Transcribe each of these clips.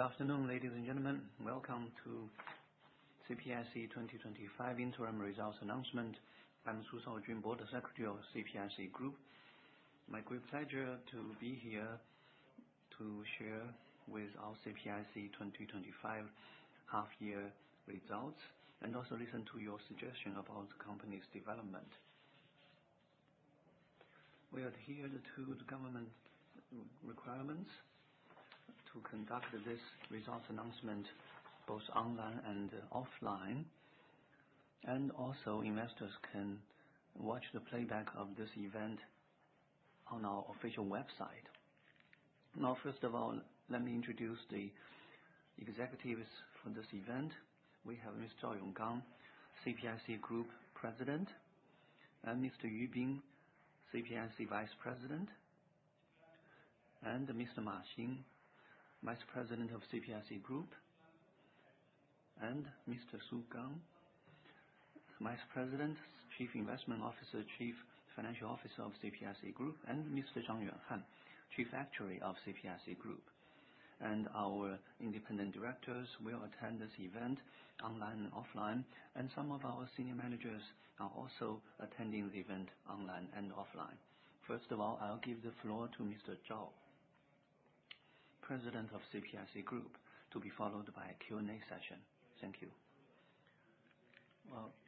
Good afternoon, ladies and gentlemen. Welcome to CPIC 2025 Interim Results Announcement. I'm Shaojun Su, Board Secretary of CPIC Group. My great pleasure to be here to share with you our CPIC 2025 Half Year Results and also listen to your suggestion about the company's development. We adhere to the two government requirements to conduct this results announcement both online and offline. Also, investors can watch the playback of this event on our official website. Now, first of all, let me introduce the executives for this event. We have Mr. Yonggang Zhao, CPIC Group President, and Mr. Yu Bin, CPIC Life Vice President, and Mr. MA Xin, Vice President of CPIC P&C, and Mr. Su Gang, Vice President, Chief Investment Officer, Chief Financial Officer of CPIC Life, and Mr. Yuanhan Zhang, Chief Actuary of CPIC Life. Our independent directors will attend this event online and offline. Some of our senior managers are also attending the event online and offline. First of all, I'll give the floor to Mr. Zhao, President of CPIC Group, to be followed by a Q and A session. Thank you.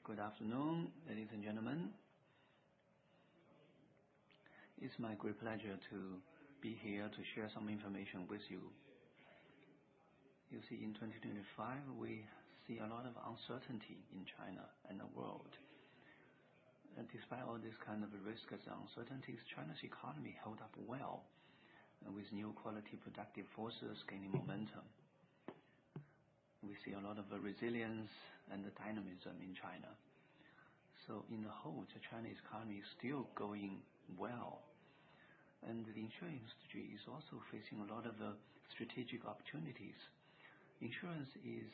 Good afternoon, ladies and gentlemen. It's my great pleasure to be here to share some information with you. You see, in 2025, we see a lot of uncertainty in China and the world. Despite all this kind of risk as uncertainties, China's economy held up well, with new quality productive forces gaining momentum. We see a lot of resilience and dynamism in China. In the whole, the Chinese economy is still going well. The insurance industry is also facing a lot of strategic opportunities. Insurance is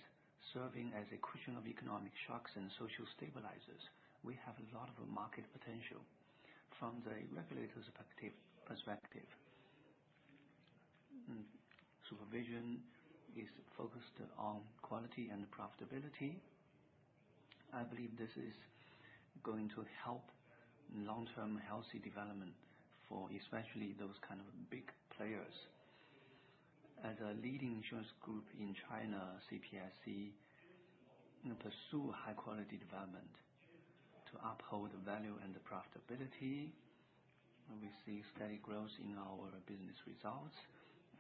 serving as a cushion of economic shocks and social stabilizers. We have a lot of market potential. From the regulator's perspective, supervision is focused on quality and profitability. I believe this is going to help long-term healthy development for especially those kind of big players. As a leading insurance Group in China, CPIC pursues high quality development to uphold value and profitability. We see steady growth in our business results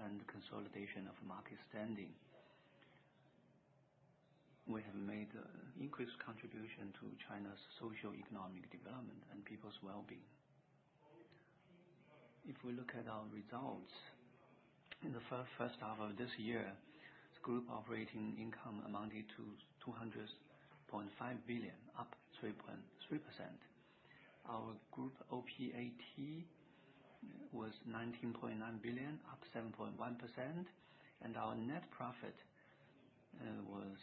and consolidation of market standing. We have made increased contribution to China's socio-economic development and people's well-being. If we look at our results in the first half of this year, the Group operating income amounted to 200.5 billion, up 3.3%. Our Group OPAT was 19.9 billion, up 7.1%. Our net profit was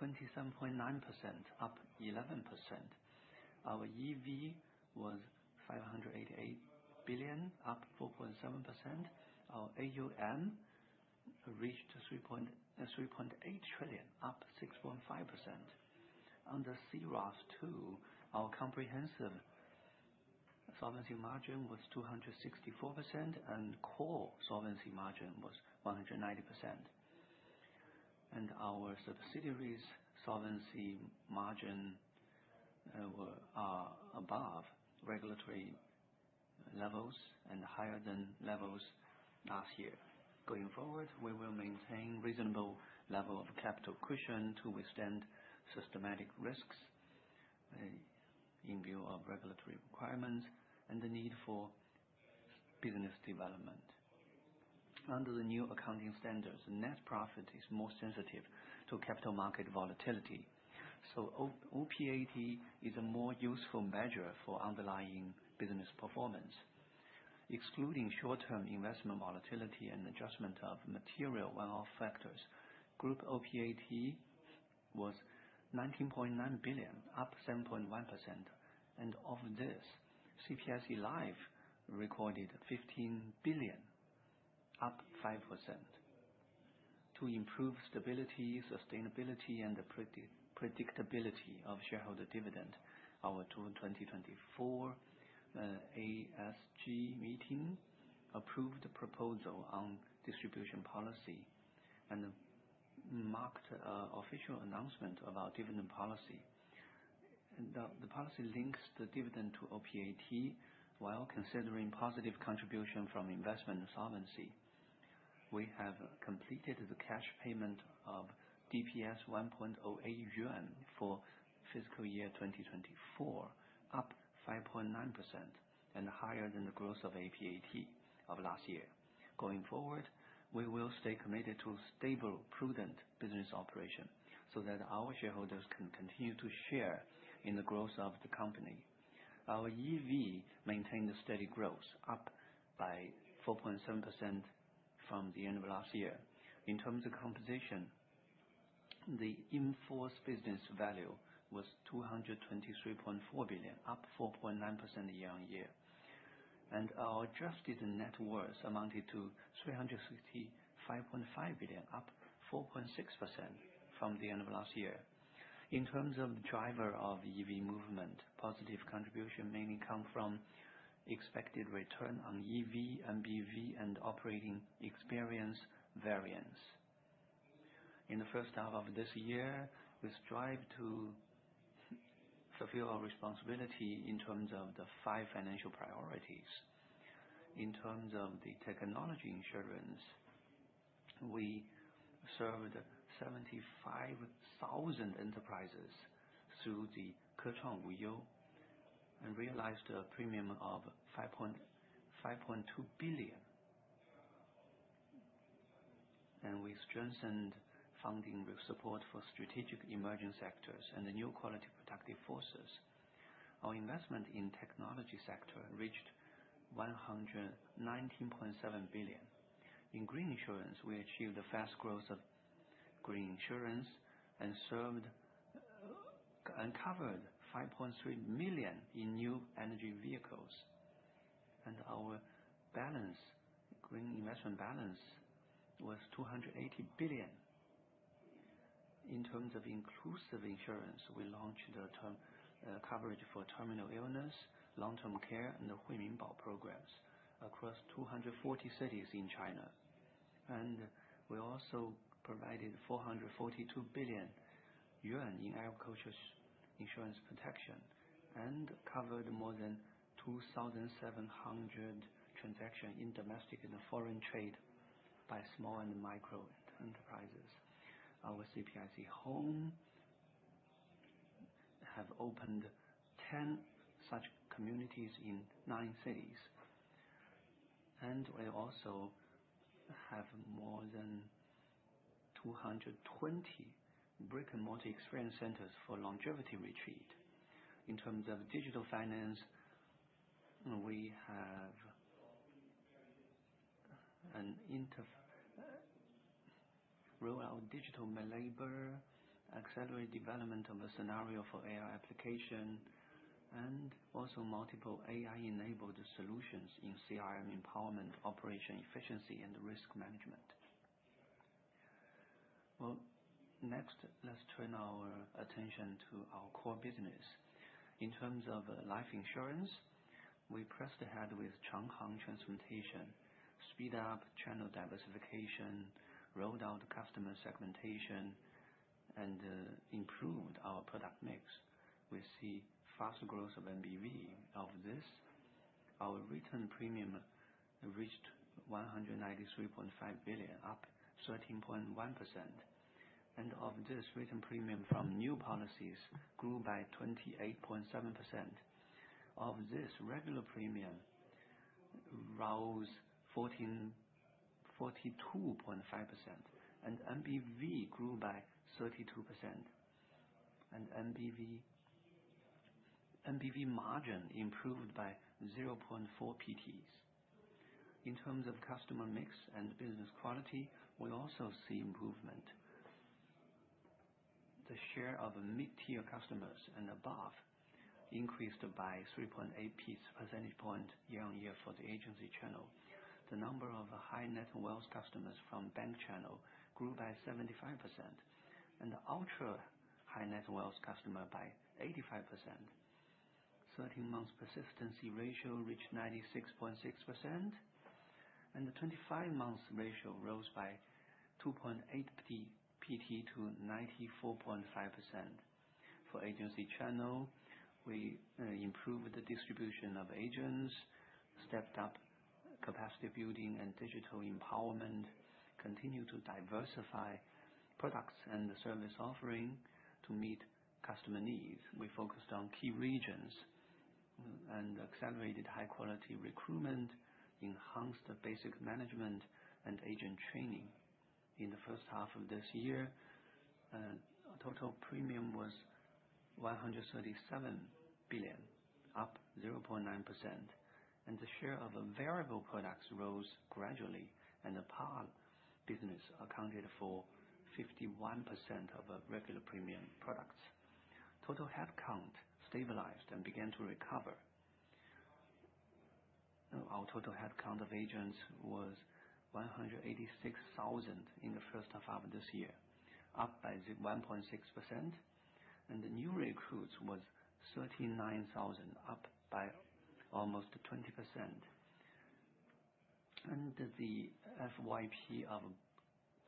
27.9 billion, up 11%. Our EV was 588 billion, up 4.7%. Our AUM reached 3.8 trillion, up 6.5%. Under Cross Two, our comprehensive solvency margin was 264% and core solvency margin was 190%, and our subsidiaries' solvency margins are above regulatory levels and higher than levels last year. Going forward, we will maintain a reasonable level of capital cushion to withstand systematic risks in view of regulatory requirements and the need for business development. Under the new accounting standards, net profit is more sensitive to capital market volatility, so OPAT is a more useful measure for underlying business performance. Excluding short-term investment volatility and adjustment of material one-off factors, Group OPAT was 19.9 billion, up 7.1%, and of this, CPIC Life recorded 15 billion, up 5%. To improve stability, sustainability, and predictability of shareholder dividend, our 2024 ASG meeting approved proposal on distribution policy and marked official announcement of our dividend policy, and the policy links the dividend to OPAT. While considering positive contribution from investment solvency, we have completed the cash payment of DPS 1.08 yuan for fiscal year 2024, up 5.9% and higher than the growth of APAT of last year. Going forward, we will stay committed to stable, prudent business operation so that our shareholders can continue to share in the growth of the company. Our EV maintained steady growth, up by 4.7% from the end of last year. In terms of composition, the in-force business value was 223.4 billion, up 4.9% year-on-year, and our adjusted net worth amounted to 365.5 billion, up 4.6% from the end of last year. In terms of driver of EV movement, positive contribution mainly came from expected return on EV and BEV and operating experience variance. In the first half of this year, we strive to fulfill our responsibility in terms of the five financial priorities. In terms of the technology insurance, we served 75,000 enterprises through the Kechang WUYU and realized a premium of 5.2 billion, and we strengthened funding with support for strategic emerging sectors and the new quality productive forces. Our investment in technology sector reached 119.7 billion. In green insurance, we achieved the fast growth of green insurance and served or covered 5.3 million in new energy vehicles, and our green investment balance was 280 billion. In terms of inclusive insurance, we launched coverage for terminal illness, long-term care, and Huiminbao programs across 240 cities in China, and we also provided 442 billion yuan in agriculture insurance protection and covered more than 2,700 transactions in domestic and foreign trade by small and micro enterprises. Our CPIC Home have opened 10 such communities in nine cities, and we also have more than 220 brick-and-mortar experience centers for longevity retreat. In terms of digital finance, we have an interview, roll out digital Malabor, accelerate development of a scenario for AI application, and also multiple AI-enabled solutions in CRM empowerment, operation efficiency, and risk management. Next, let's turn our attention to our core business. In terms of life insurance, we pressed ahead with Changhong transformation, sped up channel diversification, rolled out customer segment, and improved our product mix. We see fast growth of NBV. Of this, our written premium reached 193.5 billion, up 13.1%, and of this, written premium from new policies grew by 28.7%. Of this, regular premium rose 42.5%, and NBV grew by 32%, and NBV margin improved by 0.4 pts. In terms of customer mix and business quality, we also see improvement. The share of mid-tier customers and above increased by 3.8 percentage points year-on-year for the agency channel, the number of high-net-worth customers from bank channel grew by 75%, and ultra high-net-worth customer by 85%. The 13-month persistency ratio reached 96.6%, and the 25-month ratio rose by 2.8 pts to 94.5%. For agency channel, we improved the distribution of agents, stepped up capacity building and digital empowerment, continued to diversify products and service offering to meet customer needs. We focused on key regions and accelerated high-quality recruitment, enhanced basic management, and agent training. In the first half of this year, total premium was 137 billion, up 0.9%, and the share of variable products rose gradually, and the PAL business accounted for 51% of regular premium products. Total headcount stabilized and began to recover. Our total headcount of agents was 186,000 in the first half of this year, up by 1.6%, and the new recruits was 39,000, up by almost 20%, and the FYP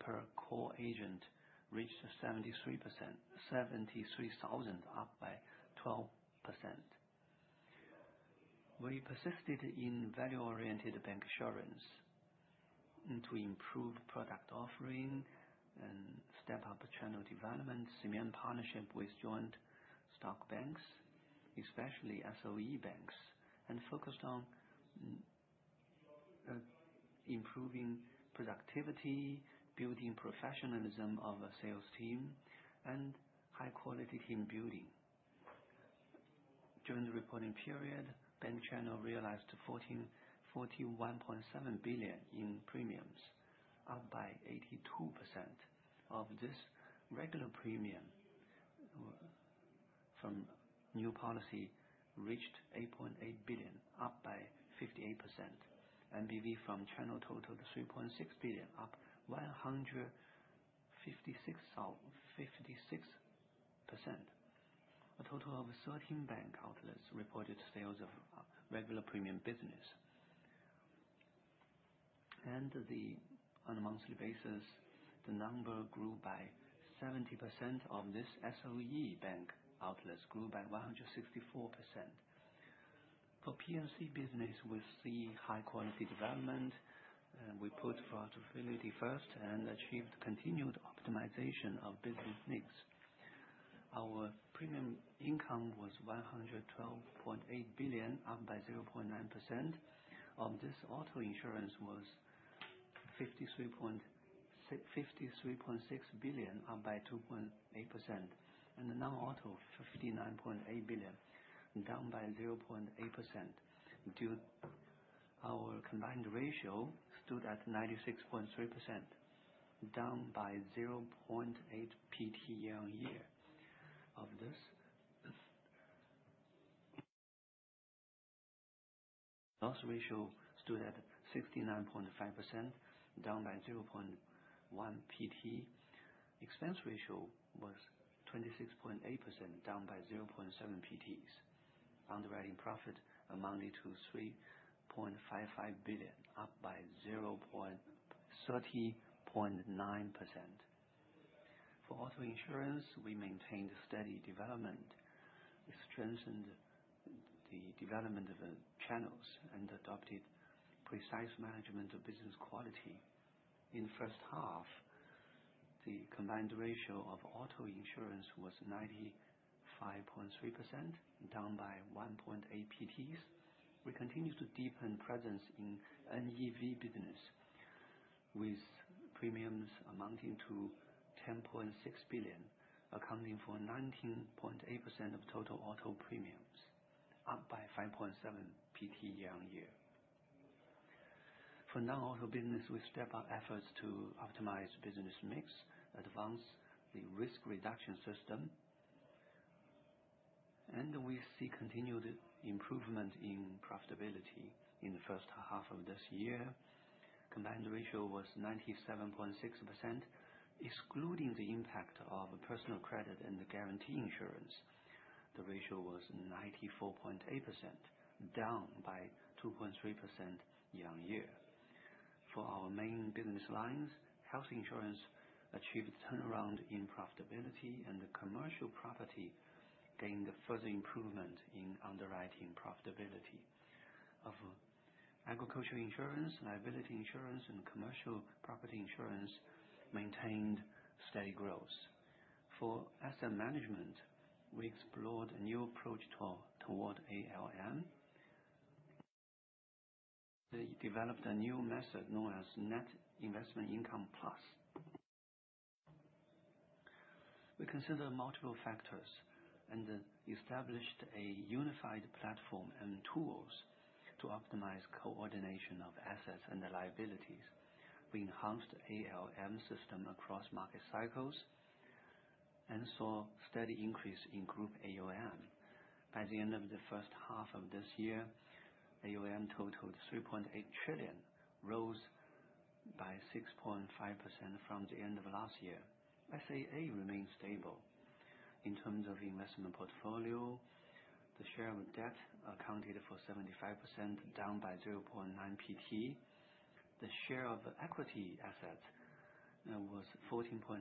per core agent reached 73,000, up by 12%. We persisted in value-oriented bancassurance to improve product offering and step up channel development, cement partnership with joint stock banks, especially SOE banks, and focused on improving productivity building, professionalism of a sales team, and high-quality team building. During the reporting period, Bank Channel realized 41.7 billion in premiums, up by 82%. Of this, regular premium from new policy reached 8.8 billion, up by 58%. NBV from China totaled 3.6 billion, up 156.056%. A total of 13 bank outlets reported sales of regular premium business, and on a monthly basis the number grew by 70%. Of this, SOE bank outlets grew by 164%. For P&C business, we see high-quality development. We put flexibility first and achieved continued optimization of business needs. Our premium income was 112.8 billion, up by 0.9%. Auto insurance was 53.6 billion, up by 2.8%, and non-auto 59.8 billion, down by 0.8%. Due to this, our combined ratio stood at 96.3%, down by 0.8 pts year-on-year. Of this, loss ratio stood at 69.5%, down by 0.1 pt. Expense ratio was 26.8%, down by 0.7 pts. Underwriting profit amounted to 3.55 billion, up by 0.309 billion. For auto insurance, we maintained steady development, strengthened the development of channels, and adopted precise management of business quality. In the first half, the combined ratio of auto insurance was 95.3%, down by 1.8 pts. We continue to deepen presence in NEV business with premiums amounting to 10.6 billion, accounting for 19.8% of total auto premiums, up by 5.7 pts year-on-year. For non-auto business, we step up efforts to optimize business mix, advance the risk reduction system, and we see continued improvement in profitability. In the first half of this year, combined ratio was 97.6%. Excluding the impact of personal credit and guarantee insurance, the ratio was 94.8%, down by 2.3% year-on-year. For our main business lines, health insurance achieved turnaround in profitability and the commercial property gained further improvement in underwriting. Profitability of agricultural insurance, liability insurance, and commercial property insurance maintained steady growth. For asset management, we explored a new approach toward ALM. We developed a new method known as net investment income plus. We consider multiple factors and established a unified platform and tools to optimize coordination of assets and liabilities. We enhanced ALM system across market cycles and saw steady increase in Group AUM. By the end of the first half of this year, AUM totaled 3.8 trillion, rose by 6.5% from the end of last year. SAA remains stable in terms of investment portfolio. The share of debt accounted for 75%, down by 0.9 pt. The share of equity assets was 14.8%,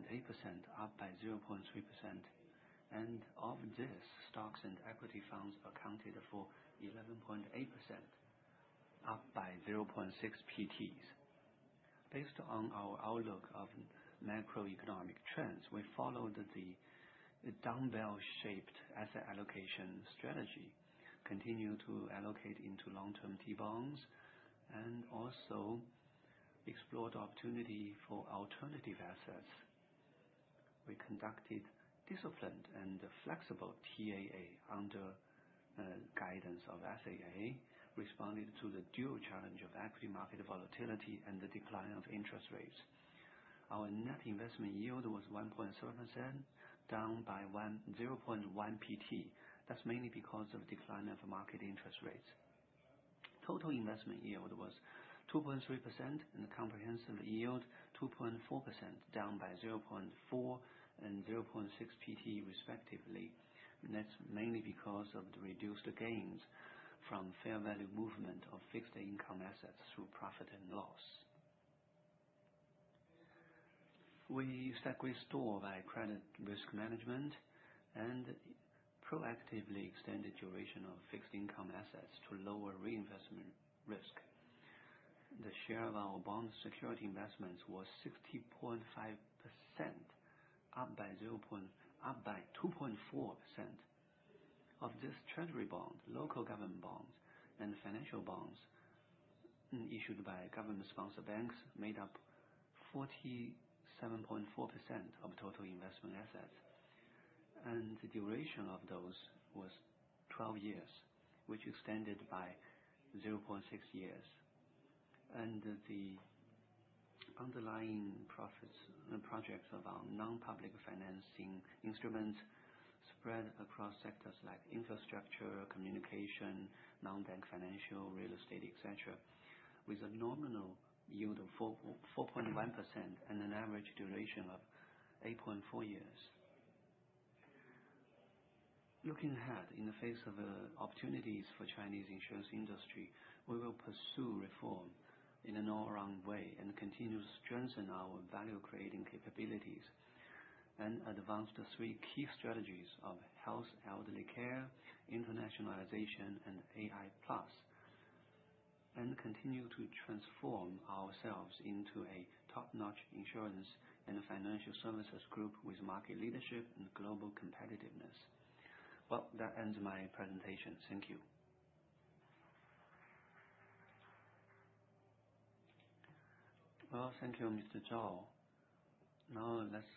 up by 0.3%, and of this, stocks and equity funds accounted for 11.8%, up by 0.6 pts. Based on our outlook of macroeconomic trends, we followed the dumbbell-shaped asset allocation strategy. Continue to allocate into long-term debonds and also explored opportunity for alternative assets. We conducted disciplined and flexible TAA under guidance of SAA, responded to the dual challenge of equity market volatility and the decline of interest. Our net investment yield was 1.7%, down by 0.1 pt. That's mainly because of decline of market interest rates. Total investment yield was 2.3% and the comprehensive yield 2.4%, down by 0.4 pt and 0.6 pt respectively. That's mainly because of the reduced gains from fair value movement of fixed income assets through profit and loss. We stack, restore by credit risk management and proactively extend the duration of fixed income assets to lower reinvestment risk. The share of our bond security investments was 60.5%, up by 2.4%. Of this, treasury bond, local government bonds and financial bonds issued by government-sponsored banks made up 47.4% of total investment assets and the duration of those was 12 years, which extended by 0.6 years, and the underlying projects of our non-public financing instruments spread across sectors like infrastructure, communication, non-bank financial, real estate, et cetera, with a nominal yield of 4.1% and an average duration of 8.4 years. Looking ahead, in the face of opportunities for Chinese insurance industry, we will pursue reform in an all-round way and continue to strengthen our value-creating capabilities and advance the three key strategies of health, elderly care, internationalization and AI, and continue to transform ourselves into a top-notch insurance and financial services Group with market leadership and global competitiveness. That ends my presentation. Thank you. Thank you Mr. Zhao. Now let's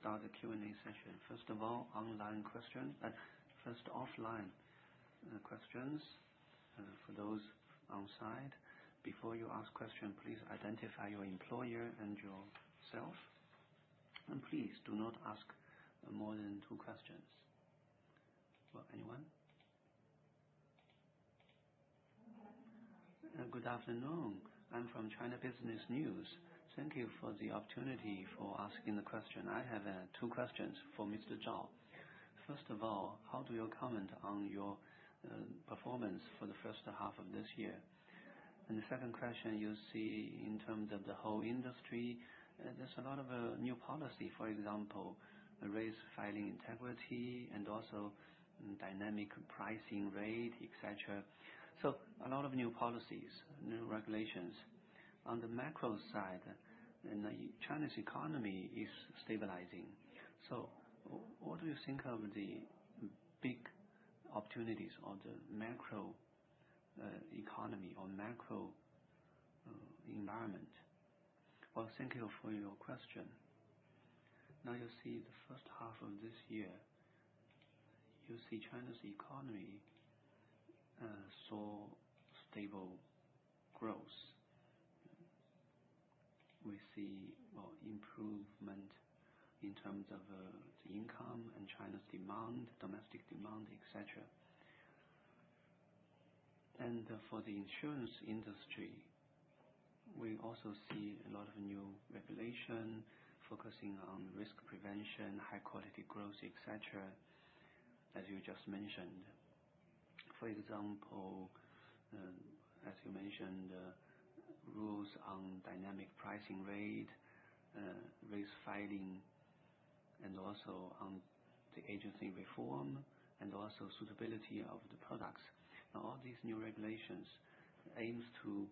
start the Q&A session. First of all, online questions, but first offline questions for those outside. Before you ask question, please identify your employer and yourself. Please do not ask more than two questions for anyone. Good afternoon, I'm from China Business News. Thank you for the opportunity for asking the question. I have two questions for Mr. Zhao. First of all, how do you comment on your performance for the first half of this year? The second question, you see in terms of the whole industry, there's a lot of new policy, for example, rate filing integrity and also dynamic pricing rate, etc. A lot of new policies, new regulations on the macro side and the Chinese economy is stabilizing. What do you think of the big opportunities or the macro economy or macro environment? Thank you for your question. The first half of this year, you see China's economy saw stable growth. We see improvement in terms of the income and China's demand, domestic demand, etc. For the insurance industry, we also see a lot of new regulation focusing on risk prevention, high quality growth, etc. As you just mentioned, for example, as you mentioned, rules on dynamic pricing, rate filing and also on the agency reform and also suitability of the products. All these new regulations aim to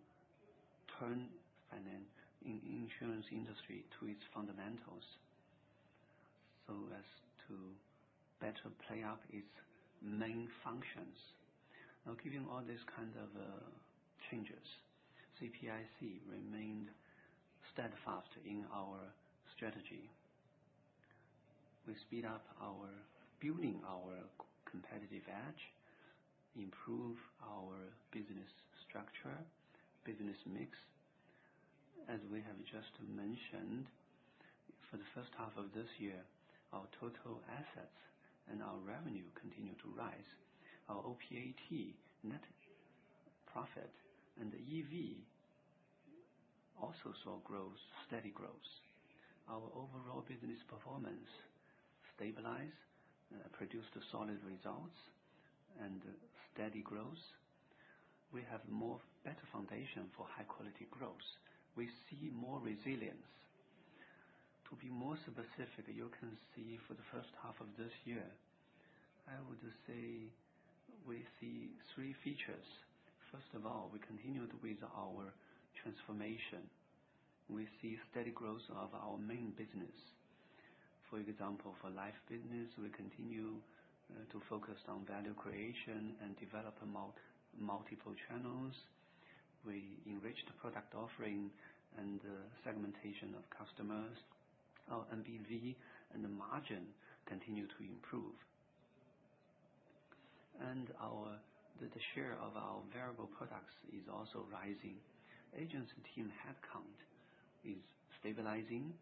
turn finance in insurance industry to its fundamentals so as to better play up its main functions. Given all these kind of changes, CPIC remained steadfast in our strategy. We speed up our building our competitive edge, improve our business structure, business mix. As we have just mentioned, for the first half of this year, our total assets and our revenue continue to rise. Our OPAT, net profit, and the EV also saw growth, steady growth. Our overall business performance stabilized, produced solid results and steady growth. We have more better foundation for high quality growth. We see more resilience. To be more specific, you can see for the first half of this year I would say we see three features. First of all, we continued with our transformation. We see steady growth of our main business. For example, for life business, we continue to focus on value creation and develop multiple channels. We enrich the product offering and segmentation of customers. Our NBV and the margin continue to improve and the share of our variable products is also rising. Agency team headcount is stabilizing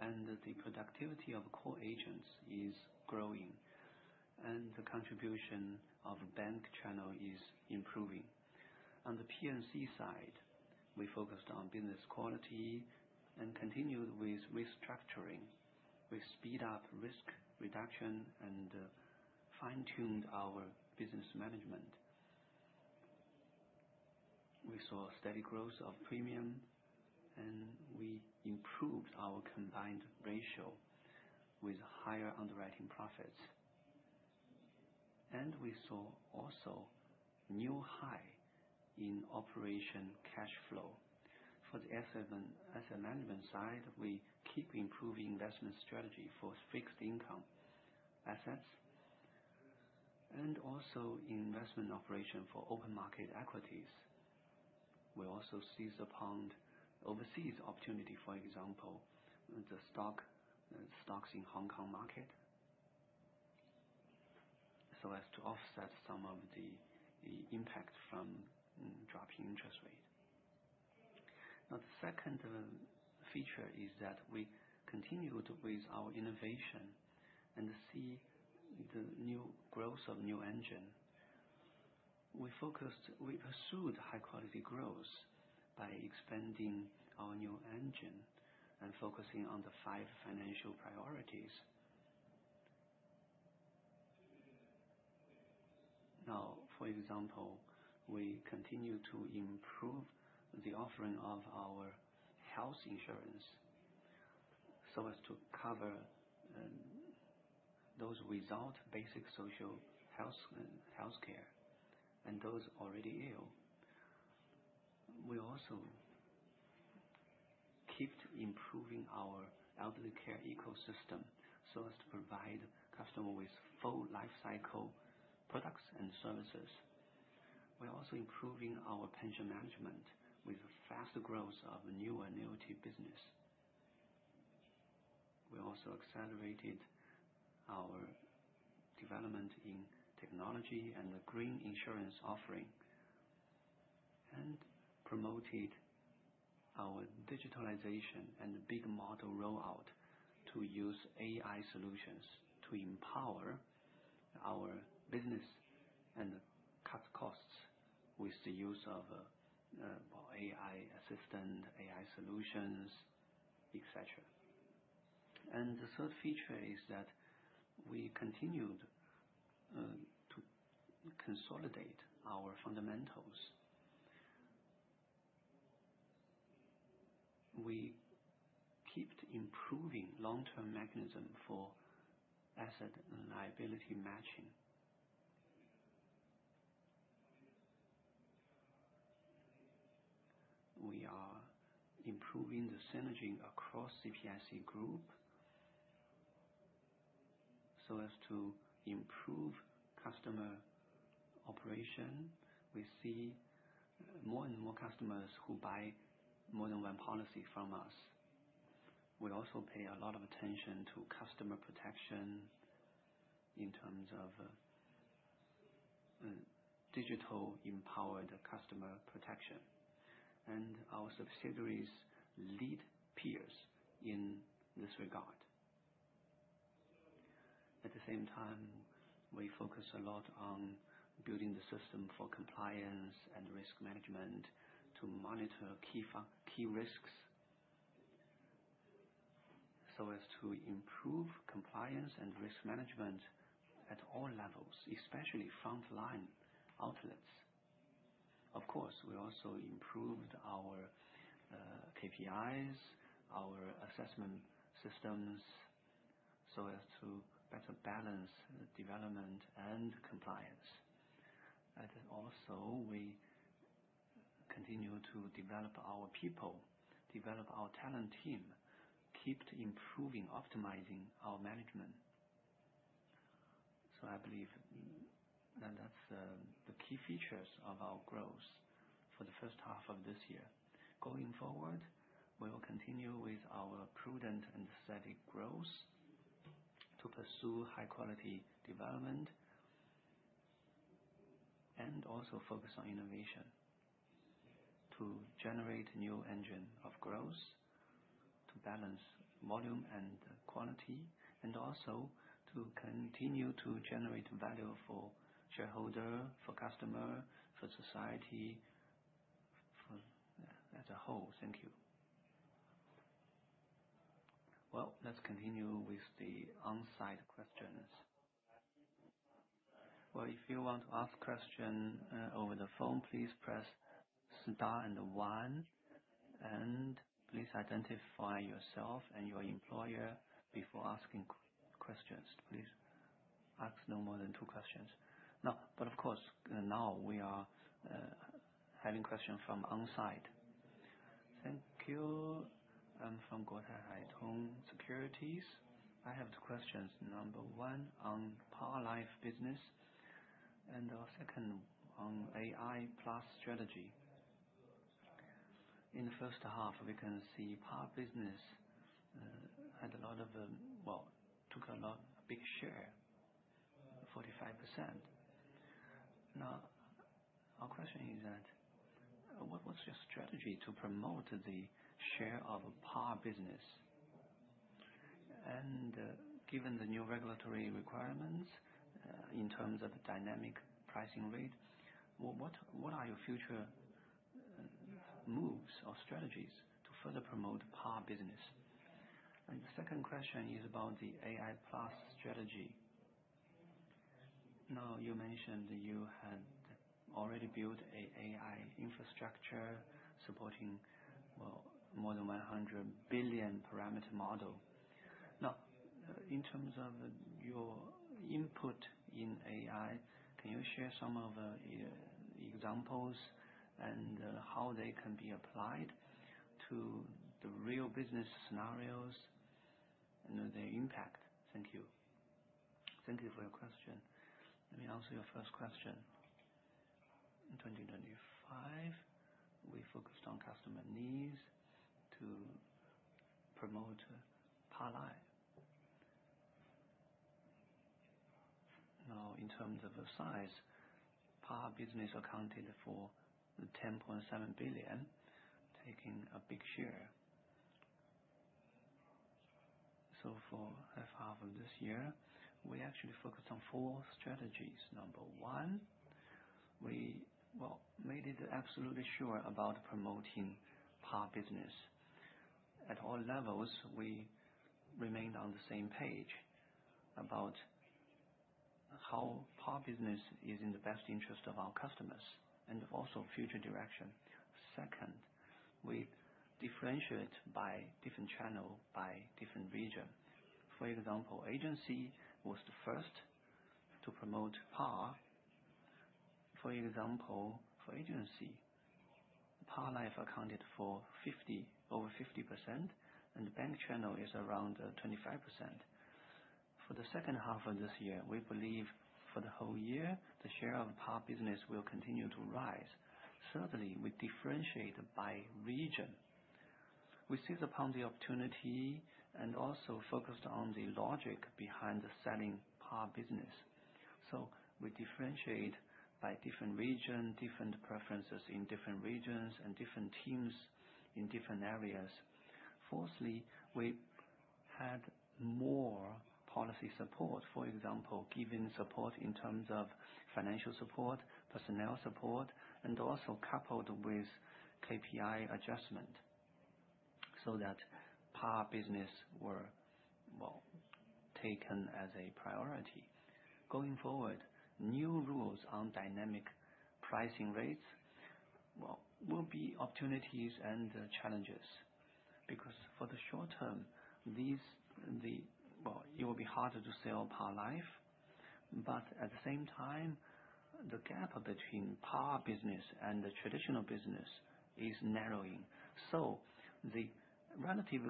and the productivity of core agents is growing and the contribution of bank channel is improving. On the P&C side, we focused on business quality and continued with restructuring. We speed up risk reduction and fine tuned our business management. We saw steady growth of premium, and we improved our combined ratio with higher underwriting profits, and we saw also new high in operation cash flow. For the asset management side, we keep improving investment strategy for fixed income assets and also investment operation for open market equities. We also seize upon overseas opportunity, for example, the stocks in Hong Kong market, so as to offset some of the impact from dropping interest rate. The second feature is that we continued with our innovation and see the new growth of new engine. We focused, we pursued high quality growth by expanding our new engine and focusing on the five financial priorities. For example, we continue to improve the offering of our health insurance so as to cover those without basic social health care and those already ill. We also keep improving our elderly care ecosystem so as to provide customer with full life cycle products and services. We're also improving our pension management with faster growth of new annuity business. We also accelerated our development in technology and the green insurance offering and promoted our digitalization and big model rollout to use AI solutions to empower our business and cut costs with the use of AI assistant, AI solutions, etc. The third feature is that we continued to consolidate our fundamentals. We keep improving long term mechanism for asset liability matching. We are improving the synergy across CPIC Group so as to improve customer operation. We see more and more customers who buy more than one policy from us. We also pay a lot of attention to customer protection in terms of digital empowered customer protection, and our subsidiaries lead peers in this regard. At the same time, we focus a lot on building the system for compliance and risk management to monitor key risks so as to improve compliance and risk management at all levels, especially frontline outlets. Of course, we also improved our KPIs, our assessment systems so as to better balance development and compliance. We continue to develop our people, develop our talent team, keep improving, optimizing our management. I believe that's the key features of our growth for the first half of this year. Going forward, we will continue with our prudent and steady growth to pursue high quality development and also focus on innovation to generate new engine of growth to balance volume and quality and also to continue to generate value for shareholder, for customer, for society as a whole. Thank you. Let's continue with the on site questions. If you want to ask question over the phone, please press Star and one and please identify yourself and your employer before asking questions. Please ask no more than two questions, but of course now we are having questions from on site. Thank you. I'm from Guotai Haitong Securities. I have two questions. Number one on par life business and second on AI plus strategy. In the first half we can see par business had a lot of, took a lot, a big share, 45%. Now our question is that what was your strategy to promote the share of a par business and given the new regulatory requirements in terms of the dynamic pricing rate, what are your future moves or strategies to further promote par business? The second question is about the AI strategy. You mentioned you had already built an AI infrastructure supporting more than 100 billion parameter model. In terms of your input in AI, can you share some of the examples and how they can be applied to the real business scenarios and their impact? Thank you. Thank you for your question. Let me answer your first question. In 2025 we focused on customer needs to promote par life. In terms of size, par business accounted for $10.7 billion taking a big share. For first half of this year we actually focused on four strategies. Number one, we made it absolutely sure about promoting par business at all levels. We remained on the same page about how par business is in the best interest of our customers and also future direction. Second, we differentiate by different channel, by different region. For example, agency was the first to promote par. For example, for agency, par life accounted for over 50% and the bank channel is around 25%. For the second half of this year, we believe for the whole year the share of par business will continue to rise. Certainly, we differentiate by region. We seize upon the opportunity and also focused on the logic behind the selling. We differentiate by different region, different preferences in different regions and different teams in different areas. Fourthly, we had more policy support, for example, giving support in terms of financial support, personnel support, and also coupled with KPI adjustment so that PAR business were well taken as a priority going forward. New rules on dynamic pricing rates will be opportunities and challenges because for the short term, it will be harder to sell PAR life, but at the same time, the gap between PAR business and the traditional business is narrowing, so the relative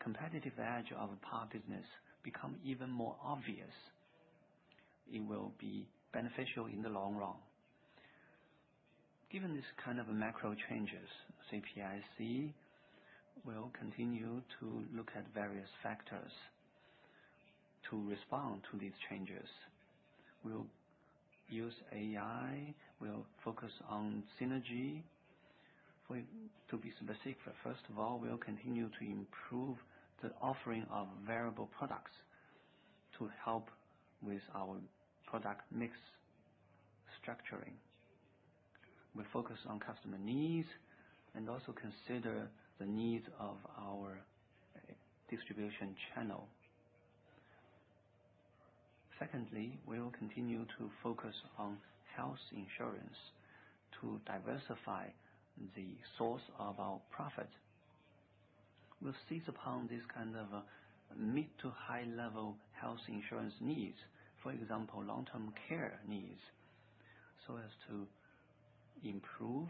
competitive edge of a PAR business becomes even more obvious. It will be beneficial in the long run given this kind of macro changes. CPIC will continue to look at various factors to respond to these changes. We'll use AI. We'll focus on synergy, to be specific. First of all, we'll continue to improve the offering of variable products to help with our product mix structuring. We focus on customer needs and also consider the need of our distribution channel. Secondly, we will continue to focus on health insurance to diversify the source of our profit. We'll seize upon this kind of mid to high level health insurance needs, for example, long term care needs, so as to improve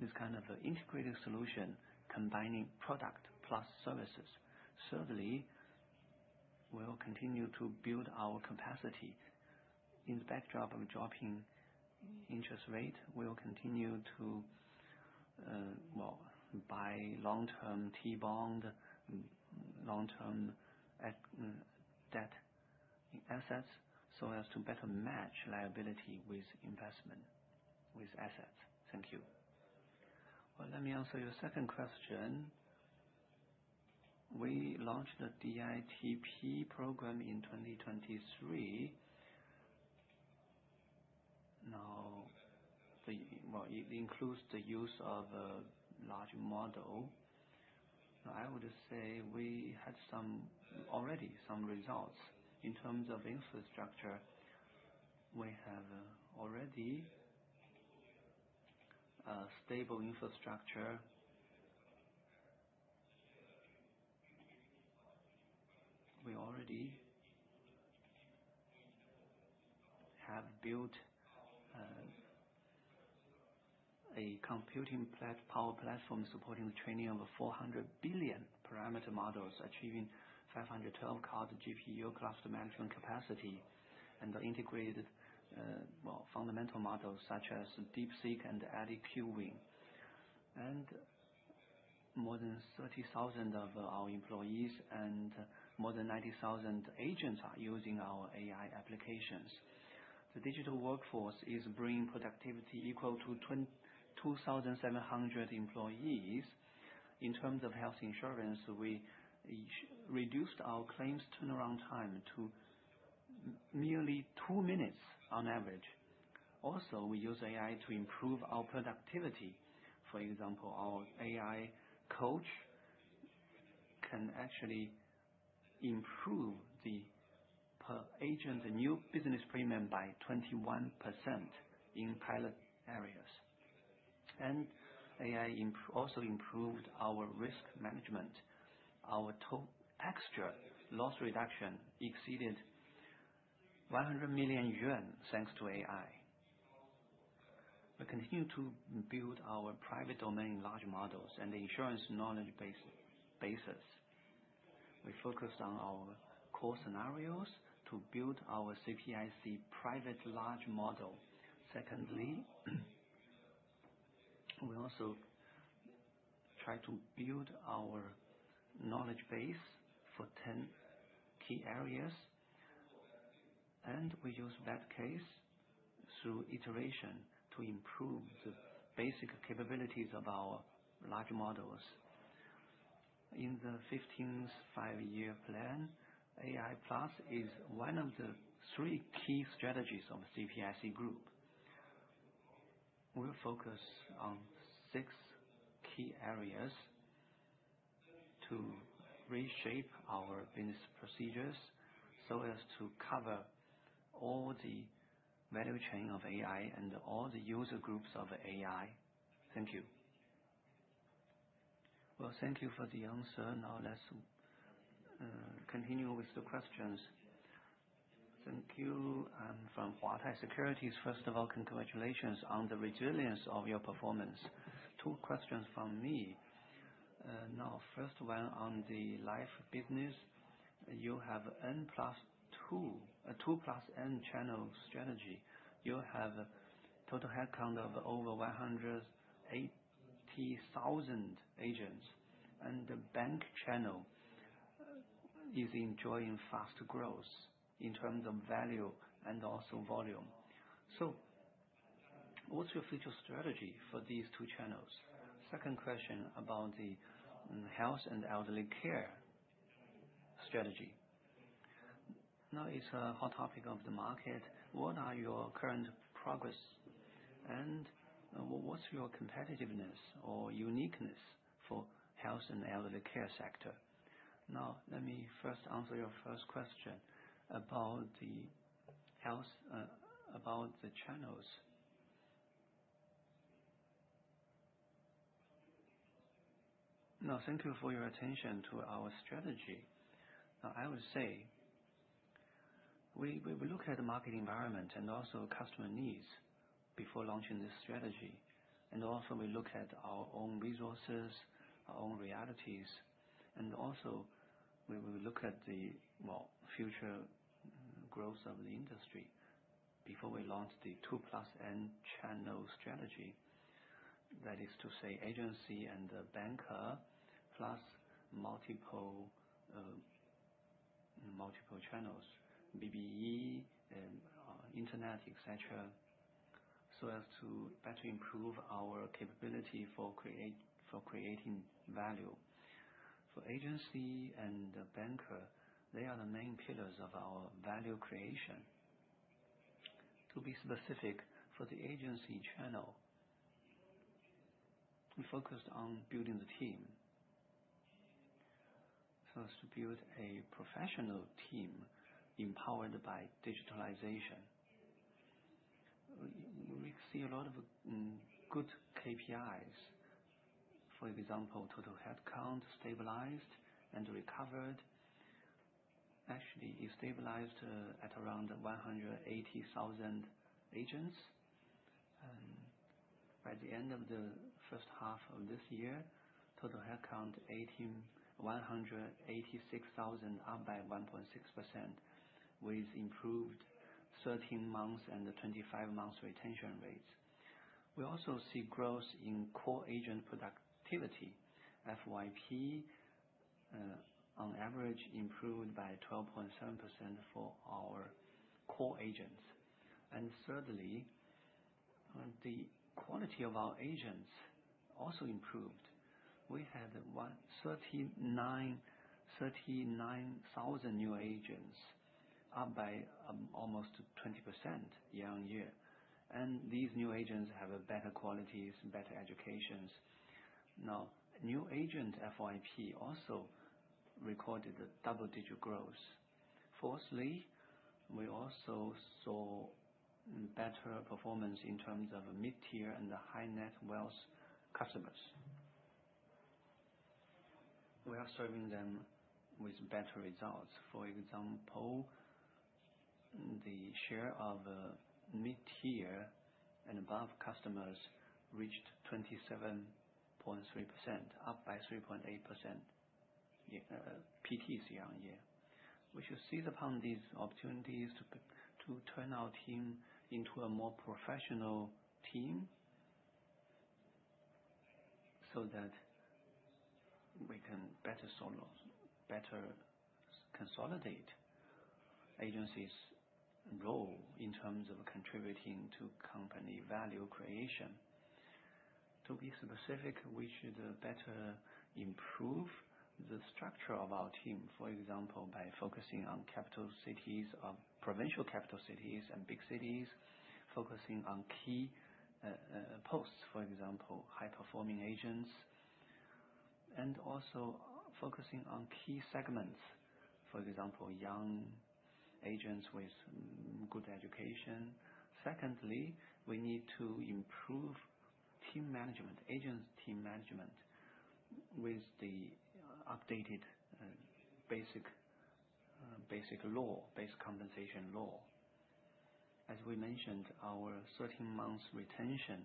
this kind of integrated solution combining product plus services. Thirdly, we'll continue to build our capacity in the backdrop of dropping interest rate. We'll continue to buy long term T bond, long term debt assets, so as to better match liability with investment with assets. Thank you. Let me answer your second question. We launched the DITP program in 2023. Now it includes the use of a large model. I would say we had already some results. In terms of infrastructure, we have already stable infrastructure. We already have built a computing power platform supporting the training of 400 billion parameter models, achieving 512 card GPU cluster management capacity, and integrated fundamental models such as Deep Seq and Adaptive Queuing. More than 30,000 of our employees and more than 90,000 agents are using our AI applications. The digital workforce is bringing productivity equal to 2,700 employees. In terms of health insurance, we reduced our claims turnaround time to merely two minutes on average. Also, we use AI to improve our productivity. For example, our AI coach can actually improve the per agent new business premium by 21% in pilot areas, and AI also improved our risk management. Our texture loss reduction exceeded 100 million yuan thanks to AI. We continue to build our private domain large models and the insurance knowledge base basis. We focused on our core scenarios to build our CPIC private large model. Secondly, we also try to build our knowledge base for 10 key areas, and we use webcase through iteration to improve the basic capabilities of our large models. In the 15 Five-Year Plan, AI is one of the three key strategies of CPIC Group. We will focus on six key areas to reshape our business procedures so as to cover all the value chain of AI and all the user Groups of AI. Thank you. Thank you for the answer. Now let's continue with the questions. Thank you from Huatai Securities. First of all, congratulations on the resilience of your performance. Two questions from me now. First one on the life business, you have N+2, a 2+N channel strategy. You have total headcount of over 180,000 agents and the bank channel is enjoying fast growth in terms of value and also volume. What's your future strategy for these two channels? Second question about the Health and Elderly care strategy, now it's a hot topic of the market. What are your current progress and what's your competitiveness or uniqueness for Health and Elderly care sector? Let me first answer your first question about the channels now. Thank you for your attention to our strategy. I would say we look at the market environment and also customer needs before launching this strategy. We also look at our own resources, our own realities, and we will look at the future growth of the industry before we launch the 2+N channel strategy. That is to say, agency and banker plus multiple channels, BBE and Internet, etc., so as to better improve our capability for creating value for agency and banker. They are the main pillars of our value creation. To be specific, for the agency channel we focused on building the team first to build a professional team empowered by digitalization. We see a lot of good KPIs. For example, total headcount stabilized and recovered. Actually, it stabilized at around 180,000 agents by the end of the first half of this year. Total headcount 186,000, up by 1.6% with improved 13-month and 25-month retention rates. We also see growth in core agent productivity. FYP on average improved by 12.7% for our core agents. Thirdly, the quality of our agents also improved. We had 39,000 new agents, up by almost 20% year-on-year, and these new agents have better qualities, better educations. Now, new agent FYP also recorded the double digit growth. Fourthly, we also saw better performance in terms of mid tier and the high-net-worth customers. We are serving them with better results. For example, the share of mid tier and above customers reached 27.3%, up by 3.8% pts year-on-year. We should seize upon these opportunities to turn our team into a more professional team so that we can better consolidate agencies' role in terms of contributing to company value creation. To be specific, we should better improve the structure of our team, for example by focusing on capital cities, provincial capital cities, and big cities, focusing on key posts, for example high performing agents, and also focusing on key segments, for example young agents with good education. Secondly, we need to improve team management, agents team management with the updated basic law, basic compensation law. As we mentioned, our 13 months retention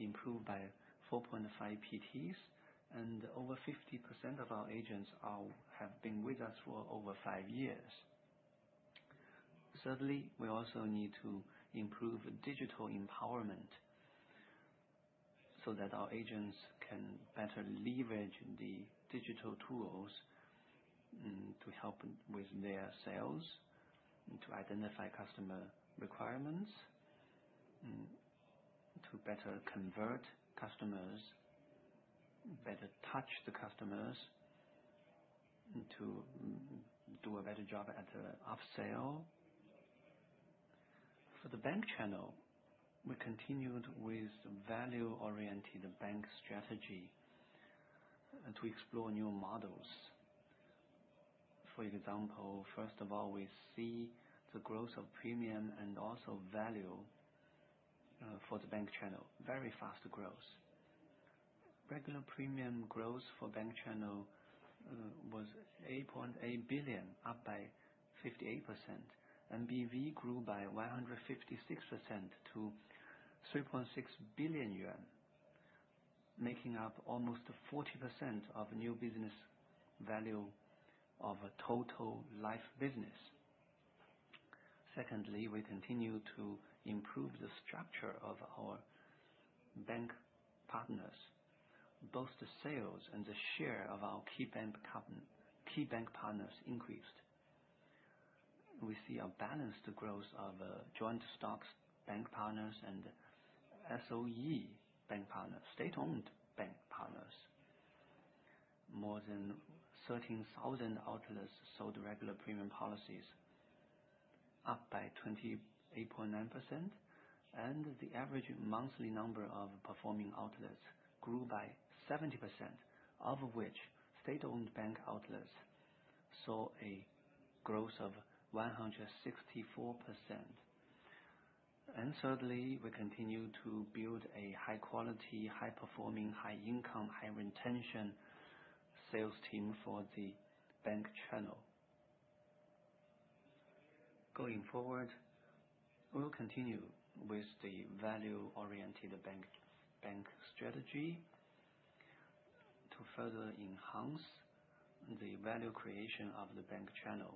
improved by 4.5 pts, and over 50% of our agents have been with us for over five years. Certainly, we also need to improve digital empowerment so that our agents can better leverage the digital tools to help with their sales, to identify customer requirements, to better convert customers, better touch the customers, to do a better job at upsell. For the bank channel, we continued with value oriented bank strategy and to explore new models. For example, first of all, we see the growth of premium and also value for the bank channel. Very fast growth. Regular premium growth for bank channel was 8.8 billion, up by 58%, and BV grew by 156% to 3.6 billion yuan, making up almost 40% of new business value of a total life business. Secondly, we continue to improve the structure of our bank partners. Both the sales and the share of our key bank partners increased. We see a balanced growth of joint stocks, bank partners, and SOE bank partners. State owned bank partners, more than 13,000 outlets, sold regular premium policies, up by 28.9%, and the average monthly number of performing outlets grew by 70%, of which state owned bank outlets saw a growth of 164%. Thirdly, we continue to build a high quality, high performing, high income, high retention sales team for the bank channel. Going forward, we'll continue with the value oriented bank strategy to further enhance the value creation of the bank channel.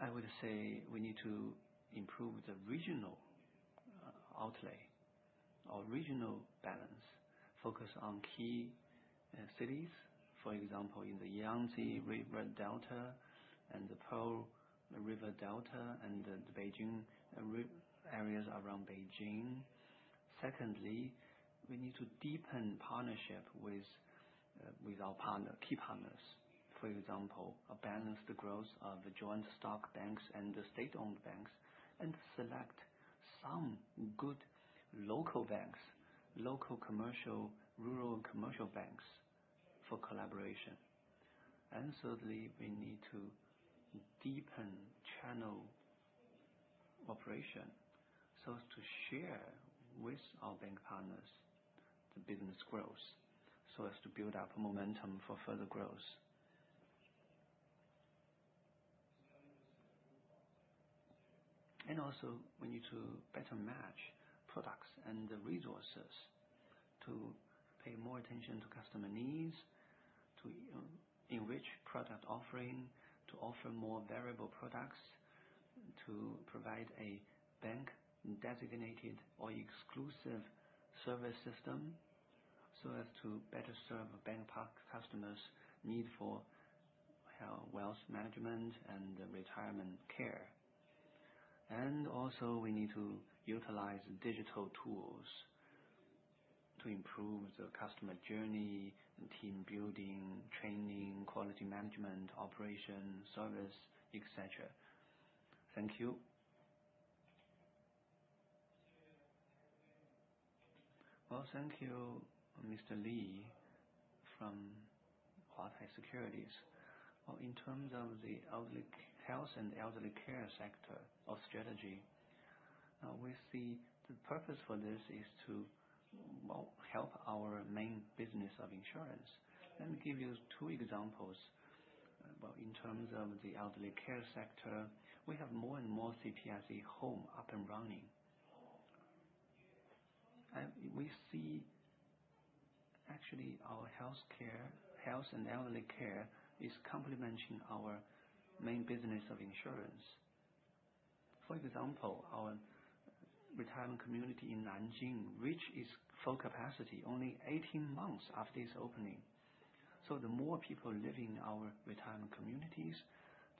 I would say we need to improve the regional outlay. Our regional balance focuses on key cities, for example, in the Yangtze River Delta and the Pearl River Delta and the areas around Beijing. Secondly, we need to deepen partnership with our key partners, for example, balance the growth of joint stock banks and state-owned banks and select some good local banks, local commercial, rural commercial banks for collaboration. Thirdly, we need to deepen channel operation so as to share with our bank partners the business growth to build up momentum for further growth. Also, we need to better match products and resources, pay more attention to customer needs, enrich product offering, offer more variable products, and provide a bank-designated or exclusive service system to better serve a bank partner customer's need for wealth management and retirement care. We also need to utilize digital tools to improve the customer journey, team building, training, quality management, operation service, etc. Thank you. Thank you, Mr. Lee from Hua Thai Securities. In terms of the elderly Health and Elderly care sector strategy, we see the purpose for this is to help our main business of insurance and give you two examples. In terms of the elderly care sector, we have more and more CPIC Home up and running. We see actually our health care, Health and Elderly care is complementing our main business of insurance. For example, our retirement community in Nanjing reached its full capacity only 18 months after its opening. The more people living in our retirement communities,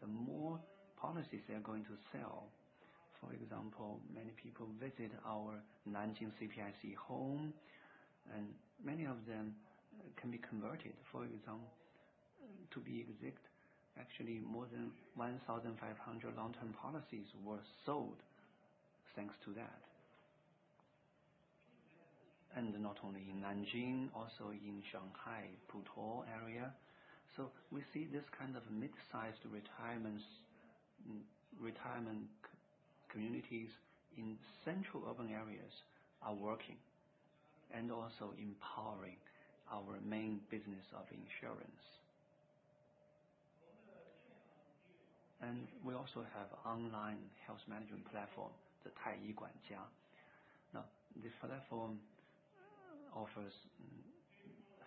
the more policies they are going to sell. For example, many people visit our Nanjing CPIC Home and many of them can be converted. To be exact, actually more than 1,500 long-term policies were sold thanks to that, and not only in Nanjing, also in Shanghai Putuo area. We see this kind of mid-sized retirement communities in central urban areas are working and also empowering our main business of insurance. We also have an online health management platform, the Taiyi Guanjia. This platform offers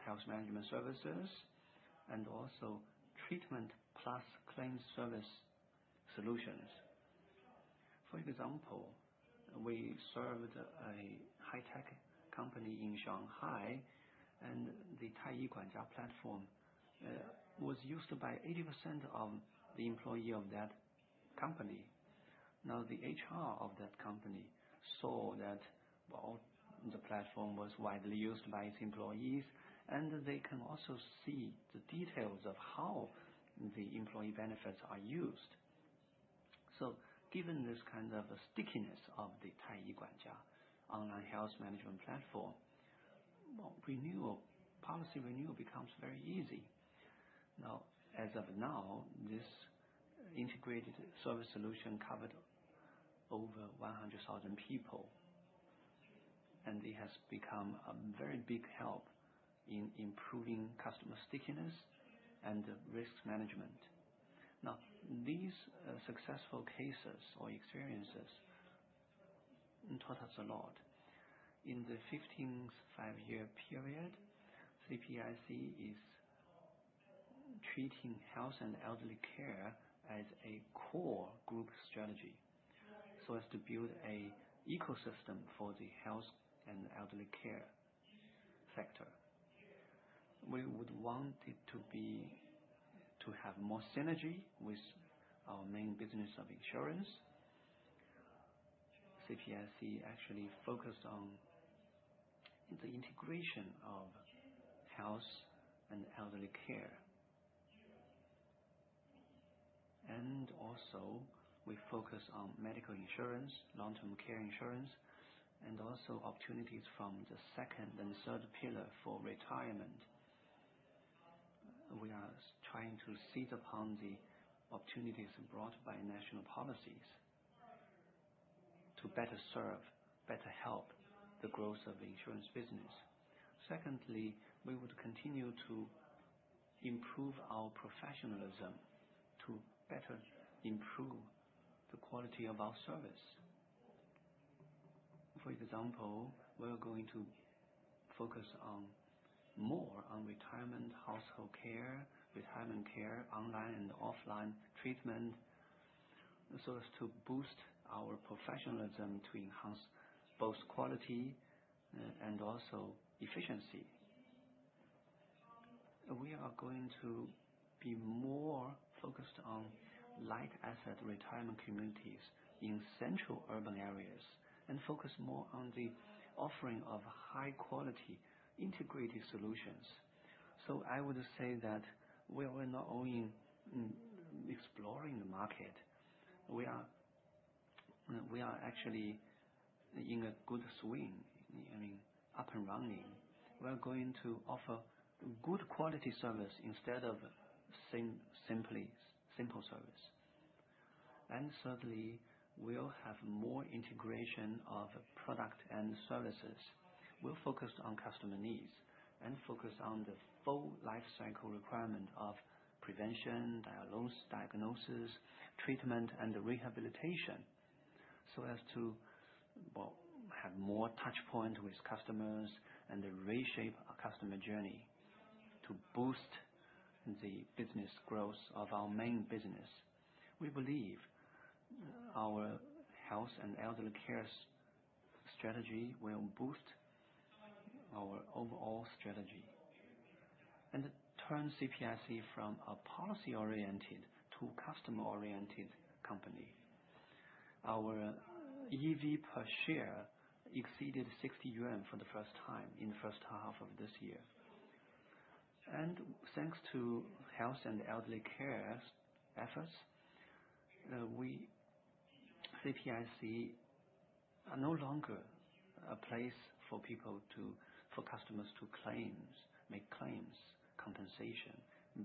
health management services and also treatment plus claim service solutions. For example, we served a high-tech company in Shanghai and the Taiyi Guanjia platform was used by 80% of the employees of that company. Now the HR of that company saw that the platform was widely used by its employees, and they can also see the details of how the employee benefits are used. Given this kind of stickiness of the Taiyi Guanjia online health management platform, policy renewal becomes very easy. As of now, this integrated service solution covered over 100,000 people, and it has become a very big help in improving customer stickiness and risk management. These successful cases or experiences taught us a lot in the 15, 5 year period. CPIC is treating Health and Elderly care as a core Group strategy to build an ecosystem for the healthcare and elderly care sector. We would want it to have more synergy with our main business of insurance. CPIC actually focused on the integration of Health and Elderly care, and also we focus on medical insurance, long-term care insurance, and also opportunities from the second and third pillar for retirement. We are trying to seize upon the opportunities brought by national policies to better help the growth of insurance business. Secondly, we would continue to improve our professionalism to better improve the quality of our service. For example, we're going to focus more on retirement, household care, retirement care, online and offline treatment to boost our professionalism to enhance both quality and also efficiency. We are going to be more focused on light asset retirement communities in central urban areas and focus more on the offering of high-quality integrated solutions. I would say that we are not only exploring the market, we are actually in a good swing, up and running. We are going to offer good quality service instead of simple service. Thirdly, we'll have more integration of product and services. We'll focus on customer needs and focus on the full lifecycle requirement of prevention, dialogue, diagnosis, treatment, and rehabilitation to have more touchpoints with customers and reshape our customer journey to boost the business growth of our main business. We believe our Health and Elderly care strategy will boost our overall strategy and turn CPIC from a policy-oriented to customer-oriented company. Our EV per share exceeded 60 yuan for the first time in the first half of this year. Thanks to Health and Elderly care efforts, we at CPIC are no longer a place for customers to make claims, compensation,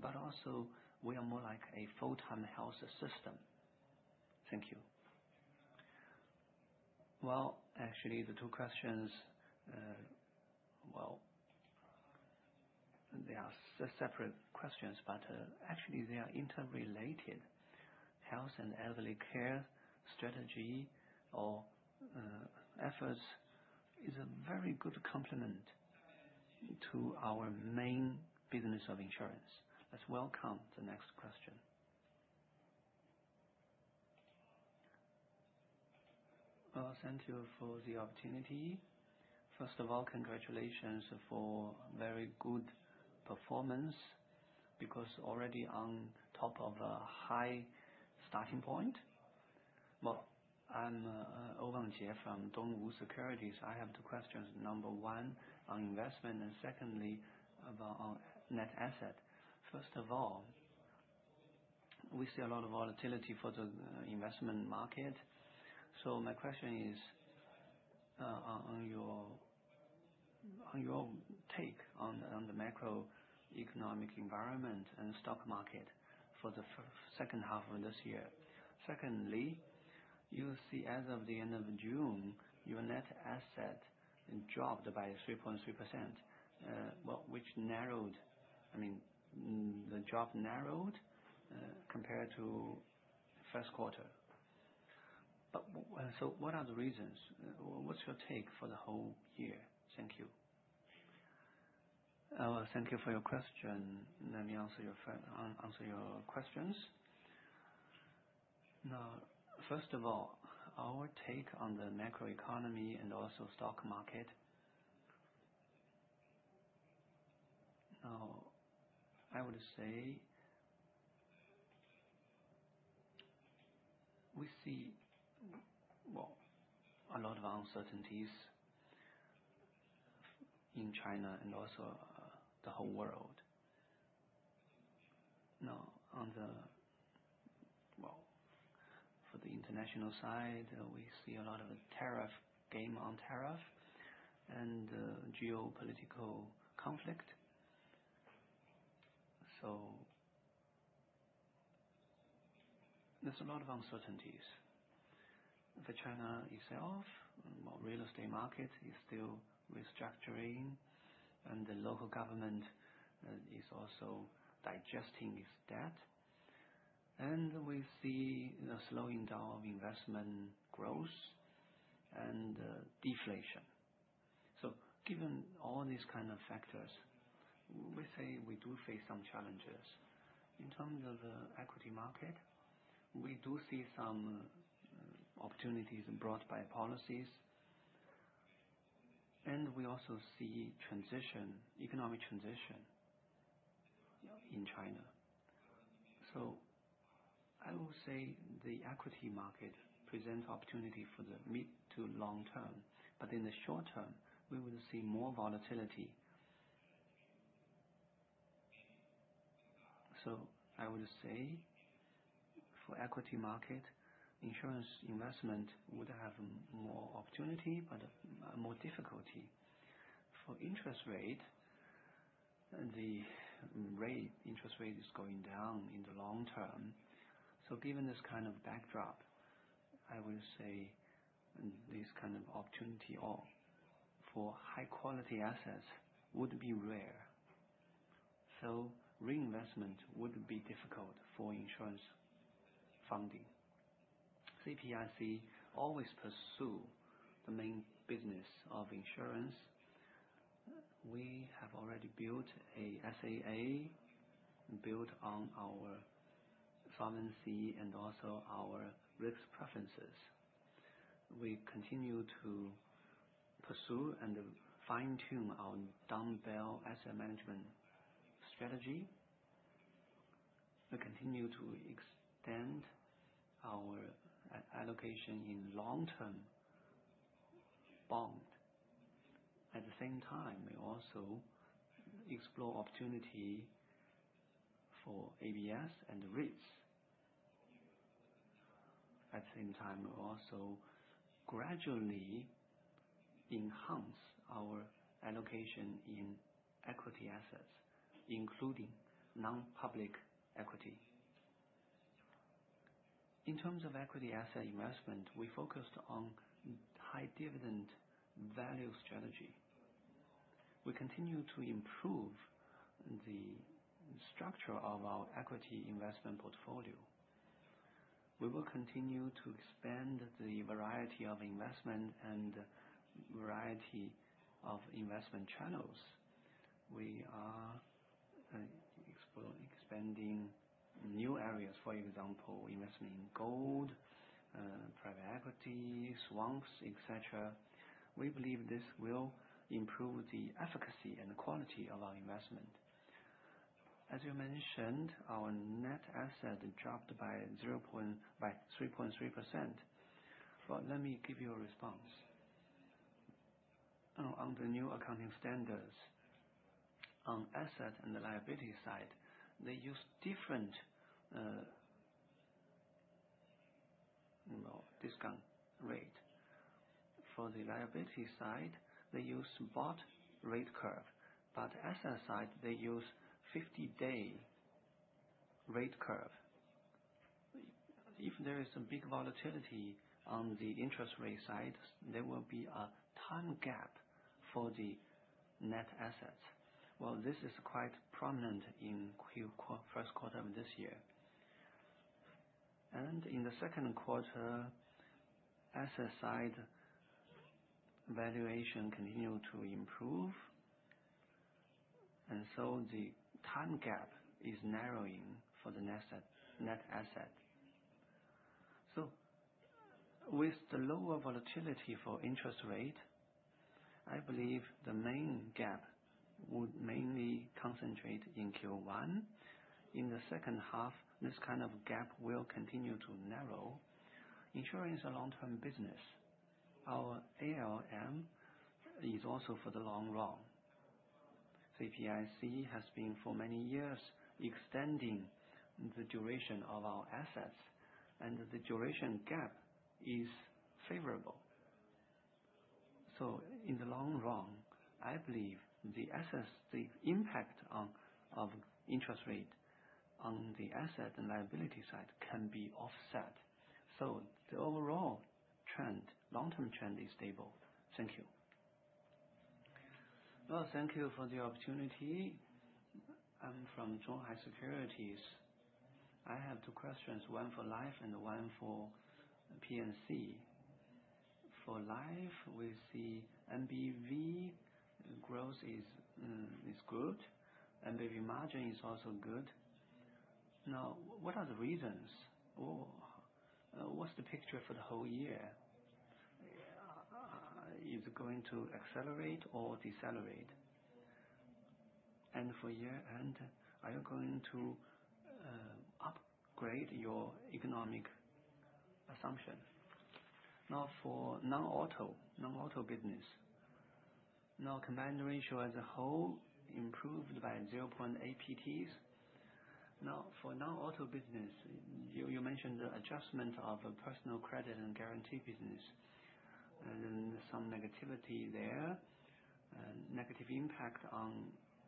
but also we are more like a full-time health system. Thank you. Actually, the two questions are separate questions, but they are interrelated. Health and Elderly care strategy or efforts is a very good complement to our main business of insurance. Let's welcome the next question. Thank you for the opportunity. First of all, congratulations for very good performance because already on top of a high starting point. I'm Ovangjie from Dongwu Securities. I have two questions. Number one on investment and secondly about net asset. First of all, we see a lot of volatility for the investment market. My question is on your take on the macroeconomic environment and stock market for the second half of this year. Secondly, you see as of the end of June, your net asset dropped by 3.3%. This narrowed, I mean the drop narrowed compared to first quarter. What are the reasons? What's your take for the whole year? Thank you. Thank you for your question. Let me answer your questions now. First of all, our take on the macro economy and also stock market. I would say we see a lot of uncertainties in China and also the whole world. On the international side, we see a lot of tariffs, game on tariff and geopolitical conflict. There's a lot of uncertainties. For China itself, real estate market is still restructuring and the local government is also digesting its debt and we see the slowing down of investment growth and deflation. Given all these kind of factors, we say we do face some challenges in terms of the equity market. We do see some opportunities brought by policies and we also see transition, economic transition in China. I will say the equity market presents opportunity for the mid to long term, but in the short term we will see more volatility. I would say for equity market insurance investment would have more opportunity but more difficulty for interest rate. The interest rate is going down in the long term. Given this kind of backdrop, I would say this kind of opportunity for high quality assets would be rare. Reinvestment would be difficult for insurance funding. CPIC always pursue the main business of insurance. We have already built a SAA built on our solvency and also our risk preferences. We continue to pursue and fine tune our dumbbell asset management strategy. Continue to extend our allocation in long term bond. At the same time, we also explore opportunity for ABs and REITs. At the same time, also gradually enhance our allocation in equity assets, including non-public equity. In terms of equity asset investment, we focused on high dividend value strategy. We continue to improve the structure of our equity investment portfolio. We will continue to expand the variety of investment and variety of investment channels. We are expanding new areas, e.g., investment in gold, private equity, swamps, etc. We believe this will improve the efficacy and quality of our investment. As you mentioned, our net asset dropped by 3.3%. Let me give you a response. Under new accounting standards, on asset and the liability side, they use different discount rate. For the liability side, they use vaud rate curve, but asset side, they use 50 days rate curve. If there is a big volatility on the interest rate side, there will be a time gap for the net assets. This is quite prominent in Q1 of this year, and in the second quarter, SSI valuation continued to improve, and so the time gap is narrowing for the net asset. With the lower volatility for interest rate, I believe the main gap would mainly concentrate in Q1. In the second half, this kind of gap will continue to narrow. Insuring is a long-term business. Our ALM is also for the long run. CPIC has been for many years extending the duration of our assets, and the duration gap is favorable. In the long run, I believe the impact of interest rate on the asset and liability side can be offset. The overall long-term trend is stable. Thank you. Thank you for the opportunity. I'm from Zhongtai Securities. I have two questions, one for life and one for P&C. For life, we see NBV growth is good. NBV margin is also good. What are the reasons or what's the picture? For the whole year, is it going to accelerate or decelerate? For year end, are you going to upgrade your economic assumption? For non-auto business, now combined ratio as a whole improved by 0.8 pts. For non-auto business, you mentioned the adjustment of a personal credit and guarantee business and some negativity there and negative impact on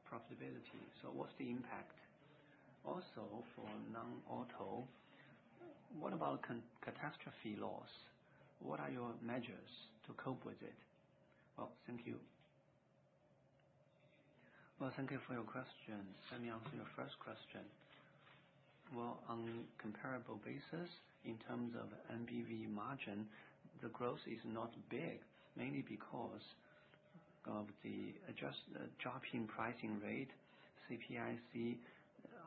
profitability. What's the impact? Also, for non-auto, what about catastrophe loss? What are your measures to cope with it? Thank you. Thank you for your question. Sending on to your first question. On comparable basis, in terms of NBV margin, the growth is not big mainly because of the adjusted dropping pricing rate. CPIC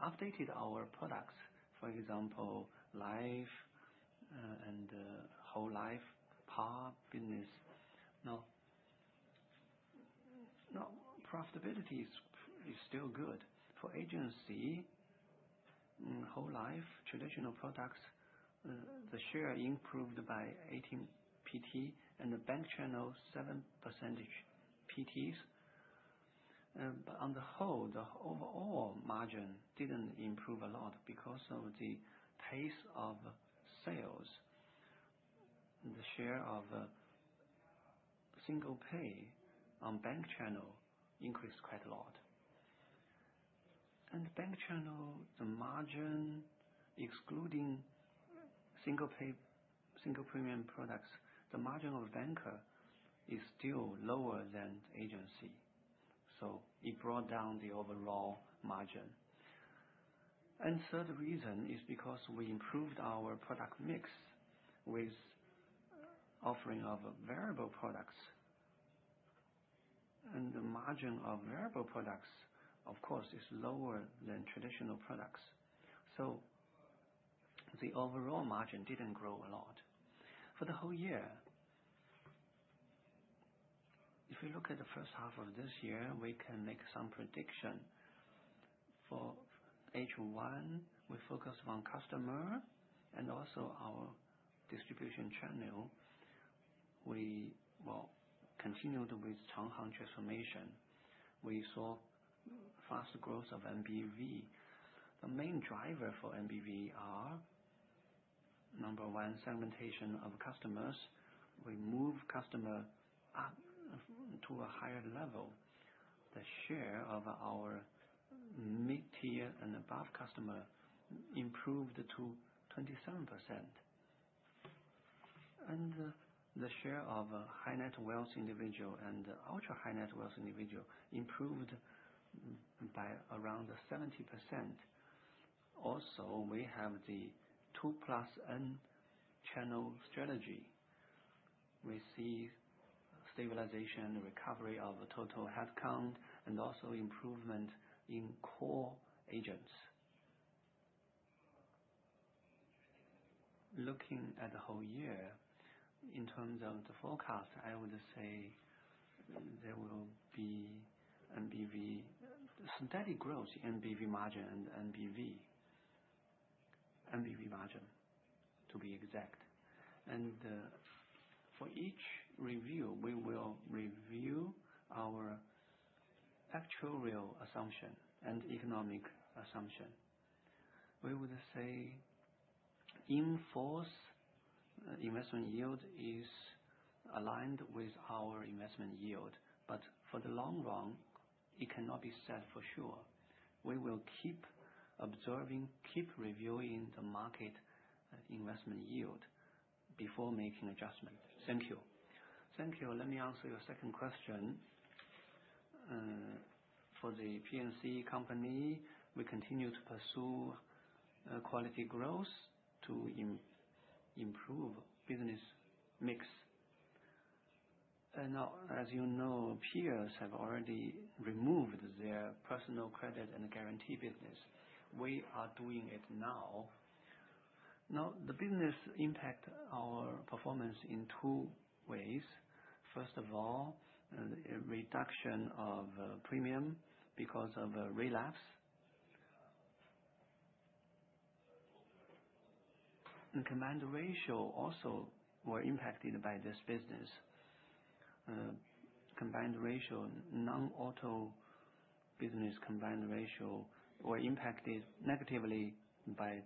updated our products. For example, life and whole life POP business, no profitability is still good for agency. Whole life traditional products, the share improved by 18 pt and the bank channel 7 percentage pts, but on the whole, the overall margin didn't improve a lot because of the pace of sales. The share of single pay on bank channel increased quite a lot, and bank channel, the margin excluding single pay single premium products, the margin of banker is still lower than agency, so it brought down the overall margin. The third reason is because we improved our product mix with offering of variable products, and the margin of variable products, of course, is lower than traditional products, so the overall margin didn't grow a lot for the whole year. If you look at the first half of this year, we can make some prediction for H1. We focus on customer and also our distribution channel. We continued with Changhong transformation. We saw fast growth of NBV. The main driver for NBV are, number one, segmentation of customers. We move customer to a higher level. The share of our mid tier and above customer improved to 27%, and the share of high net wealth, individual and ultra high net worth individual improved by around 70%. Also, we have the 2N channel strategy. We see stabilization, recovery of total headcount, and also improvement in core agents. Looking at the whole year in terms of the forecast, I would say there will be NBV steady growth, NBV margin, and NBV MVP margin to be exact. For each review, we will review our actuarial assumption and economic assumption. We would say in force investment yield is aligned with our investment yield, but for the long run it cannot be said for sure. We will keep observing, keep reviewing the market investment yield before making adjustments. Thank you. Thank you. Let me answer your second question for the P&C company. We continue to pursue quality growth to improve business mix. As you know, peers have already removed their personal credit and guarantee business. We are doing it now. The business impacts our performance in two ways. First of all, reduction of premium because of relapse. Combined ratio also were impacted by this business. Combined ratio, non auto business combined ratio were impacted negatively by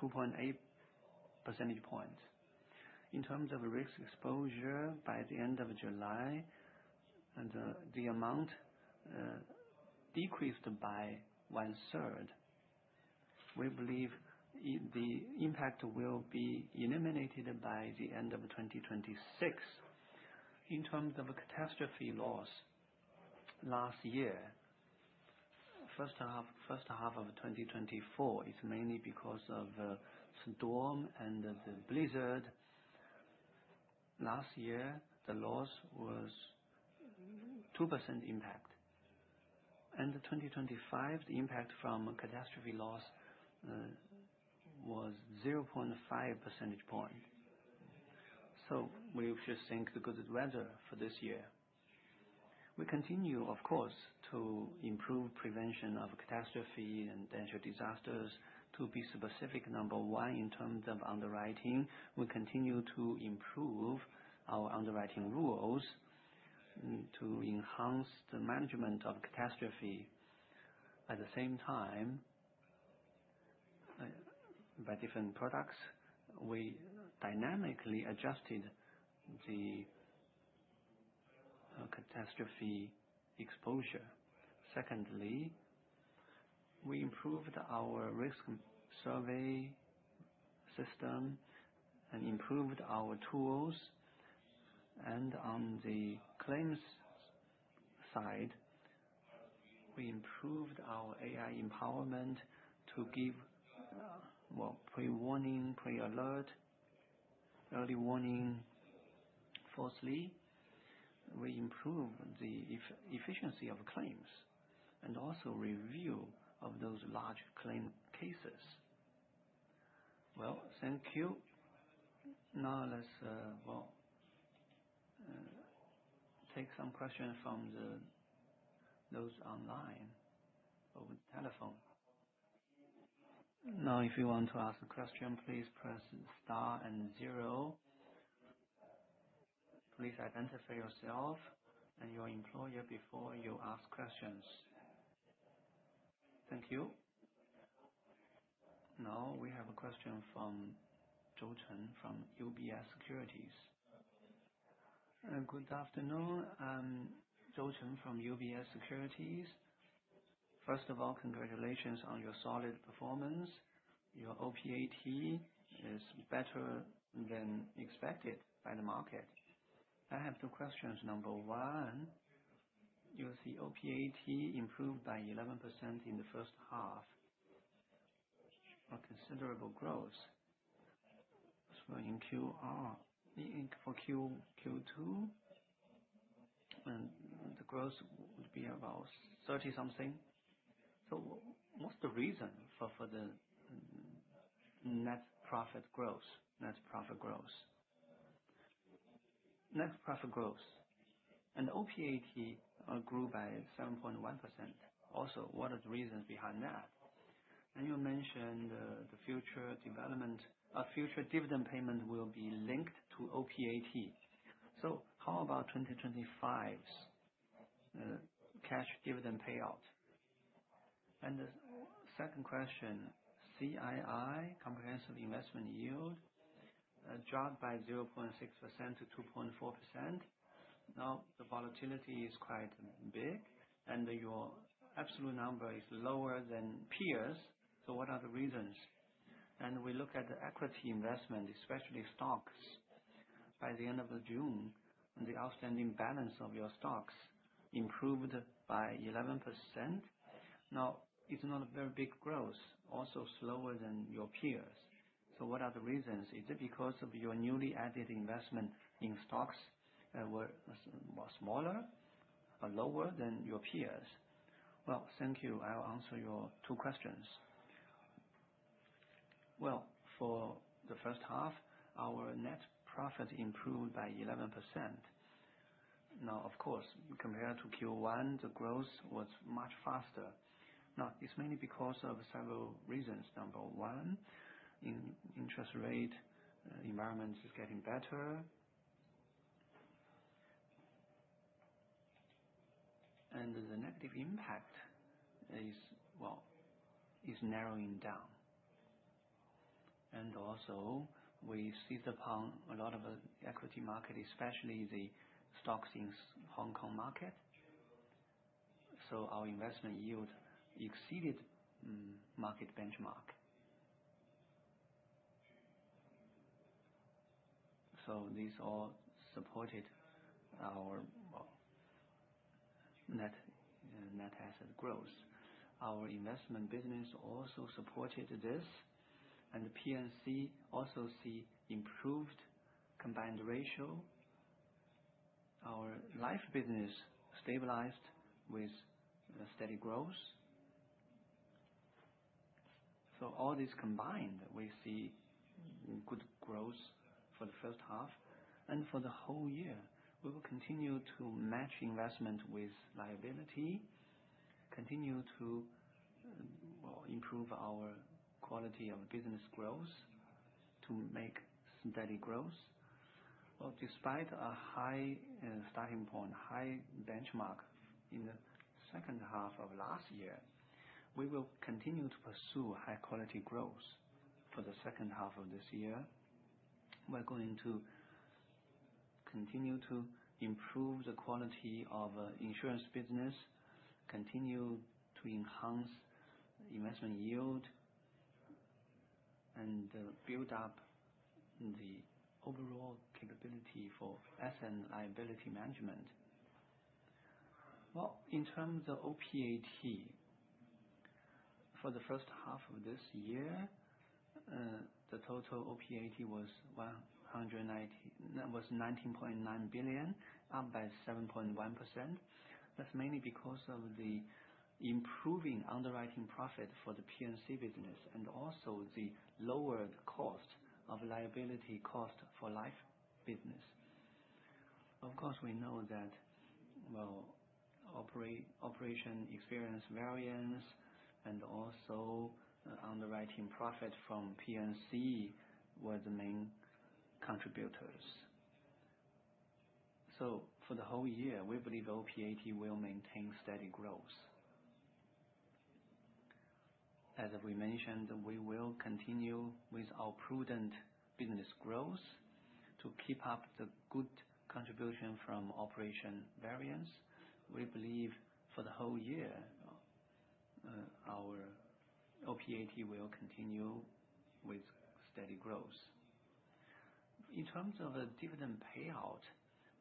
2.8 percentage point in terms of risk exposure by the end of July, and the amount decreased by 1/3. We believe the impact will be eliminated by the end of 2026. In terms of a catastrophe loss last year, first half of 2024 is mainly because of storm and the blizzard. Last year the loss was 2% impact and 2025 the impact from catastrophe loss was 0.5 percentage point. We should think the good weather for this year. We continue of course to improve prevention of catastrophe and danger disasters. To be specific, number one, in terms of underwriting, we continue to improve our underwriting rules to enhance the management of catastrophe at the same time by different products. We dynamically adjusted the catastrophe exposure. Secondly, we improved our risk survey system and improved our tools. On the claims side, we improved our AI empowerment to give well pre warning, pre alert, early warning. Fourthly, we improve the efficiency of claims and also review of those large claim cases. Thank you. Now let's vote. Take some questions from the notes online over the telephone. If you want to ask a question, please press Star and zero. Please identify yourself and your employer before you ask questions. Thank you. Now we have a question from Joe Chen from UBS Securities. Good afternoon, I'm Joe Chen from UBS Securities. First of all, congratulations on your solid performance. Your OPAT is better than expected by the market. I have two questions. Number one, you'll see OPAT improved by 11% in the first half. A considerable growth in QR for Q2 and the growth would be about 30 something. What's the reason for the net profit growth? Net profit growth. Net profit growth. OPAT grew by 7.1%. Also what are the reasons behind that? You mentioned the future development. A future dividend payment will be linked to OPAT. How about 2025 cash dividend payout? The second question, CII comprehensive investment yield dropped by 0.6% to 2.4%. Now the volatility is quite big and your absolute number is lower than peers. What are the reasons? We look at the equity investment, especially stocks. By the end of June, the outstanding balance of your stocks improved by 11%. Now it's not a very big growth, also slower than your peers. What are the reasons? Is it because of your newly added investment in stocks were smaller or lower than your peers? Thank you. I'll answer your two questions. For the first half our net profit improved by 11%. Of course, compared to Q1, the growth was much faster. It's mainly because of several reasons. Number one, in interest rate environments is getting better and the negative impact is narrowing down. Also, we seized upon a lot of equity market, especially the stocks in Hong Kong market. Our investment yield exceeded market benchmark. These all supported our net asset growth. Our investment business also supported this, and the P&C also see improved combined ratio. Our life business stabilized with steady growth. All this combined, we see good growth for the first half, and for the whole year we will continue to match investment with liability, continue to improve our quality of business growth to make steady growth. Despite a high starting point, high benchmark in the second half of last year, we will continue to pursue high quality growth. For the second half of this year, we're going to continue to improve the quality of insurance business, continue to enhance investment yield, and build up the overall capability for asset and liability management. In terms of OPAT, for the first half of this year the total OPAT was 19.9 billion, up by 7.1%. That's mainly because of the improving underwriting profit for the P&C business and also the lowered cost of liability for life business. Of course, we know that operation experience variance and also underwriting profit from P&C were the main contributors. For the whole year, we believe OPAT will maintain steady growth. As we mentioned, we will continue with our prudent business growth to keep up the good contribution from operation variance. We believe for the whole year our OPAT will continue with steady growth. In terms of a dividend payout,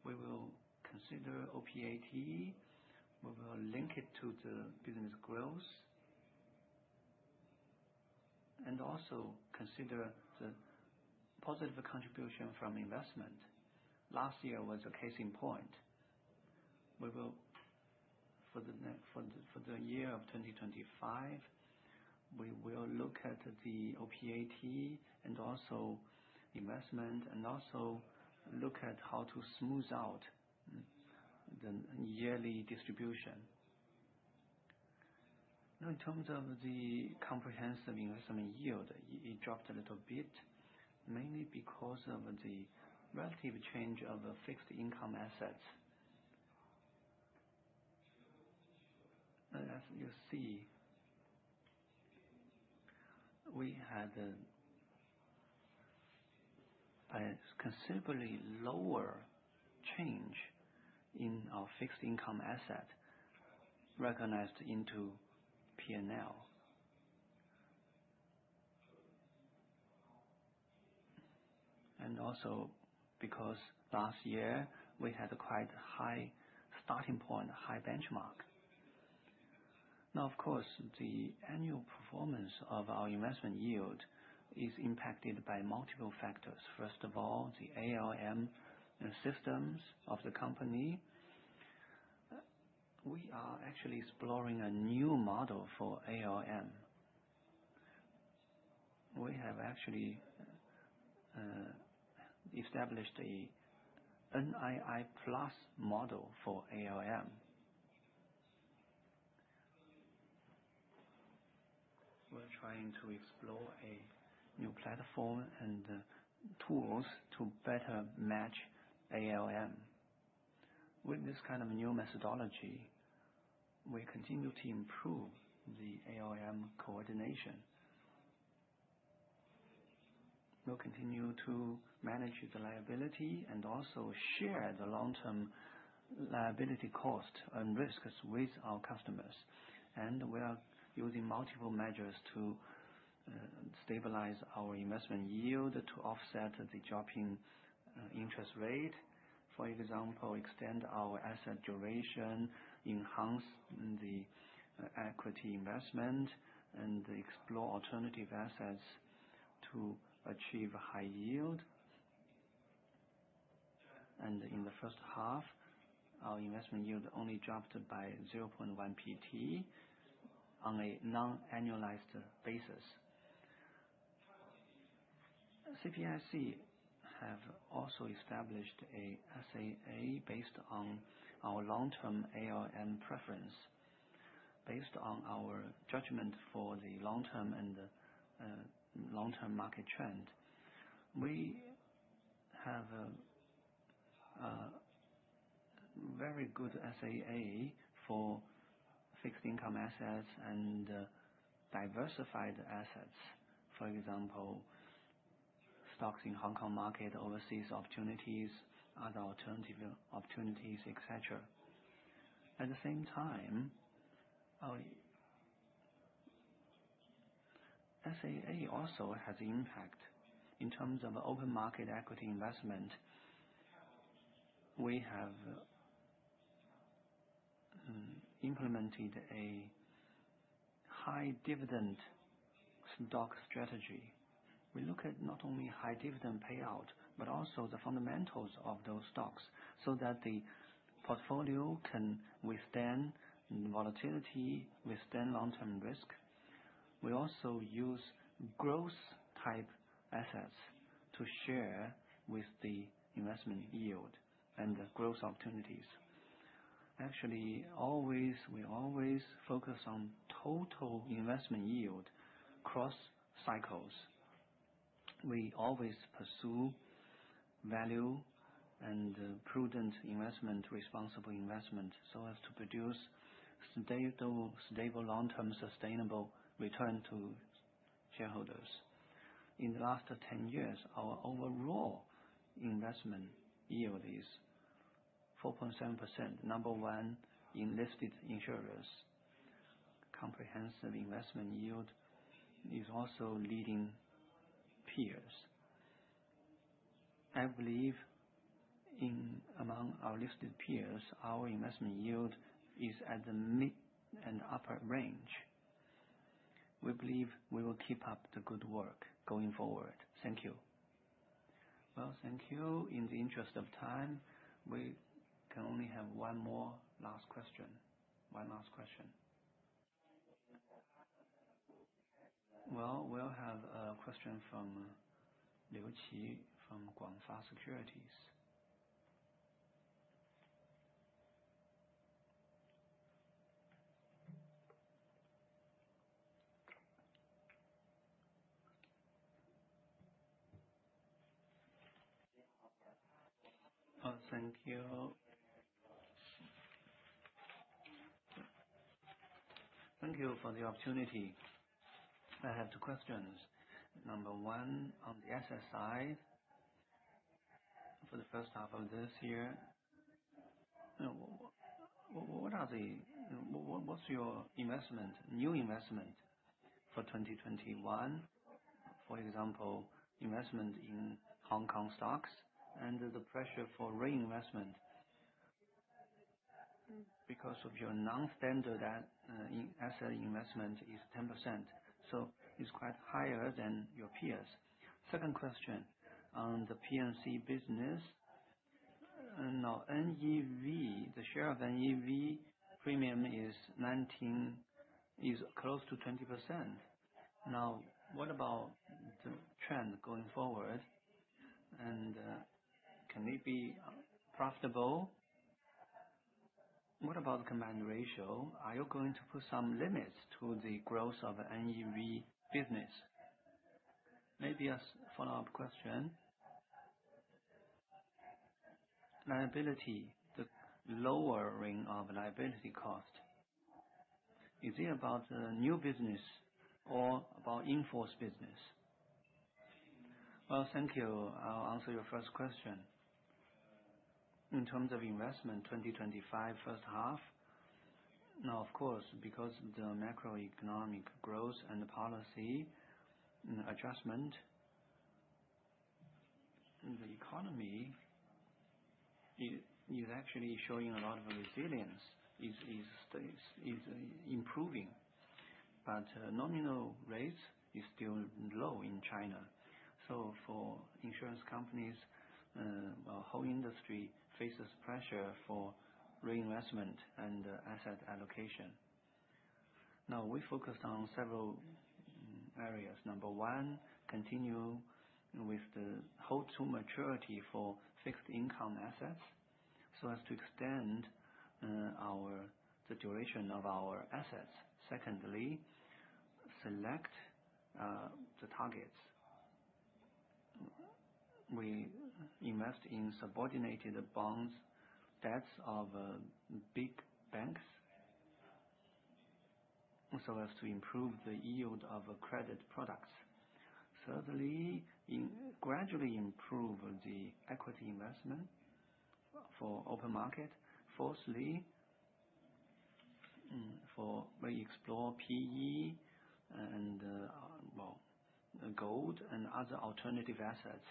we will consider OPAT. We will link it to the business growth and also consider the positive contribution from investment. Last year was a case in point. For the year of 2025, we will look at the OPAT and also investment and also look at how to smooth out the yearly distribution. In terms of the comprehensive investment yield, it dropped a little bit mainly because of the relative change of fixed income assets. As you see, we had a considerably lower change in our fixed income asset recognized into P&L. Also, last year we had a quite high starting point, high benchmark. The annual performance of our investment yield is impacted by multiple factors. First of all, the ALM systems of the company. We are actually exploring a new model for ALM. We have actually established the NII model for ALM. We're trying to explore a new platform and tools to better match ALM. With this kind of new methodology, we continue to improve the ALM coordination. We'll continue to manage the liability and also share the long-term liability cost and risks with our customers. We are using multiple measures to stabilize our investment yield to offset the dropping interest rate. For example, extend our asset duration, enhance the equity investment, and explore alternative assets to achieve high yield. In the first half, our investment yield only dropped by 0.1 pt on a non-annualized basis. CPIC has also established an SAA based on our long-term ALM preference. Based on our judgment for the long term and long-term market trend, we have a very good SAA for fixed income assets and diversified assets. For example, stocks in the Hong Kong market, overseas opportunities, other alternative opportunities, etc. At the same time, SAA also has impact in terms of open market equity investment. We have implemented a high dividend stock strategy. We look at not only high dividend payout but also the fundamentals of those stocks so that the portfolio can withstand volatility, withstand long-term risk. We also use growth type assets to share with the investment yield and the growth opportunities. Actually, we always focus on total investment yield cross cycles. We always pursue value and prudent investment, responsible investment so as to produce stable long-term sustainable return to shareholders. In the last 10 years, our overall investment yield is 4.7%, number one in listed insurers. Comprehensive investment yield is also leading peers. I believe among our listed peers, our investment yield is at the mid and upper range. We believe we will keep up the good work going forward. Thank you. In the interest of time, we can only have one more last question. One last question. We'll have a question from Liu Qi from Guangfa Securities. Thank you. Thank you for the opportunity. I have two questions. Number one, on the exercise for the first half of this year, what are the what's your investment? New investment for 2021, for example, investment in Hong Kong stocks and the pressure for reinvestment because of your non-standard asset investment is 10% so it's quite higher than your peers. Second question, on the P&C business, the share of NEV premium is 19 is close to 20% now. What about the trend going forward and can it be profitable? What about combined ratio? Are you going to put some limits to the growth of NEV business? Maybe a follow up question. Liability, the lowering of liability cost. Is it about new business or about info's business? Thank you. I'll answer your first question in terms of investment. 2025, first half now of course, because the macroeconomic growth and the policy adjustment the economy it is actually showing a lot of resilience is improving. However, nominal rates are still low in China. For insurance companies, the whole industry faces pressure for reinvestment and asset allocation. Now we focused on several areas. Number one, continue with the hold to maturity for fixed income assets so as to extend the duration of our assets. Secondly, select the targets. We invest in subordinated bonds, debts of big banks so as to improve the yield of credit products. Thirdly, gradually improve the equity investment for open market. Fourthly, we explore PE and gold and other alternative assets.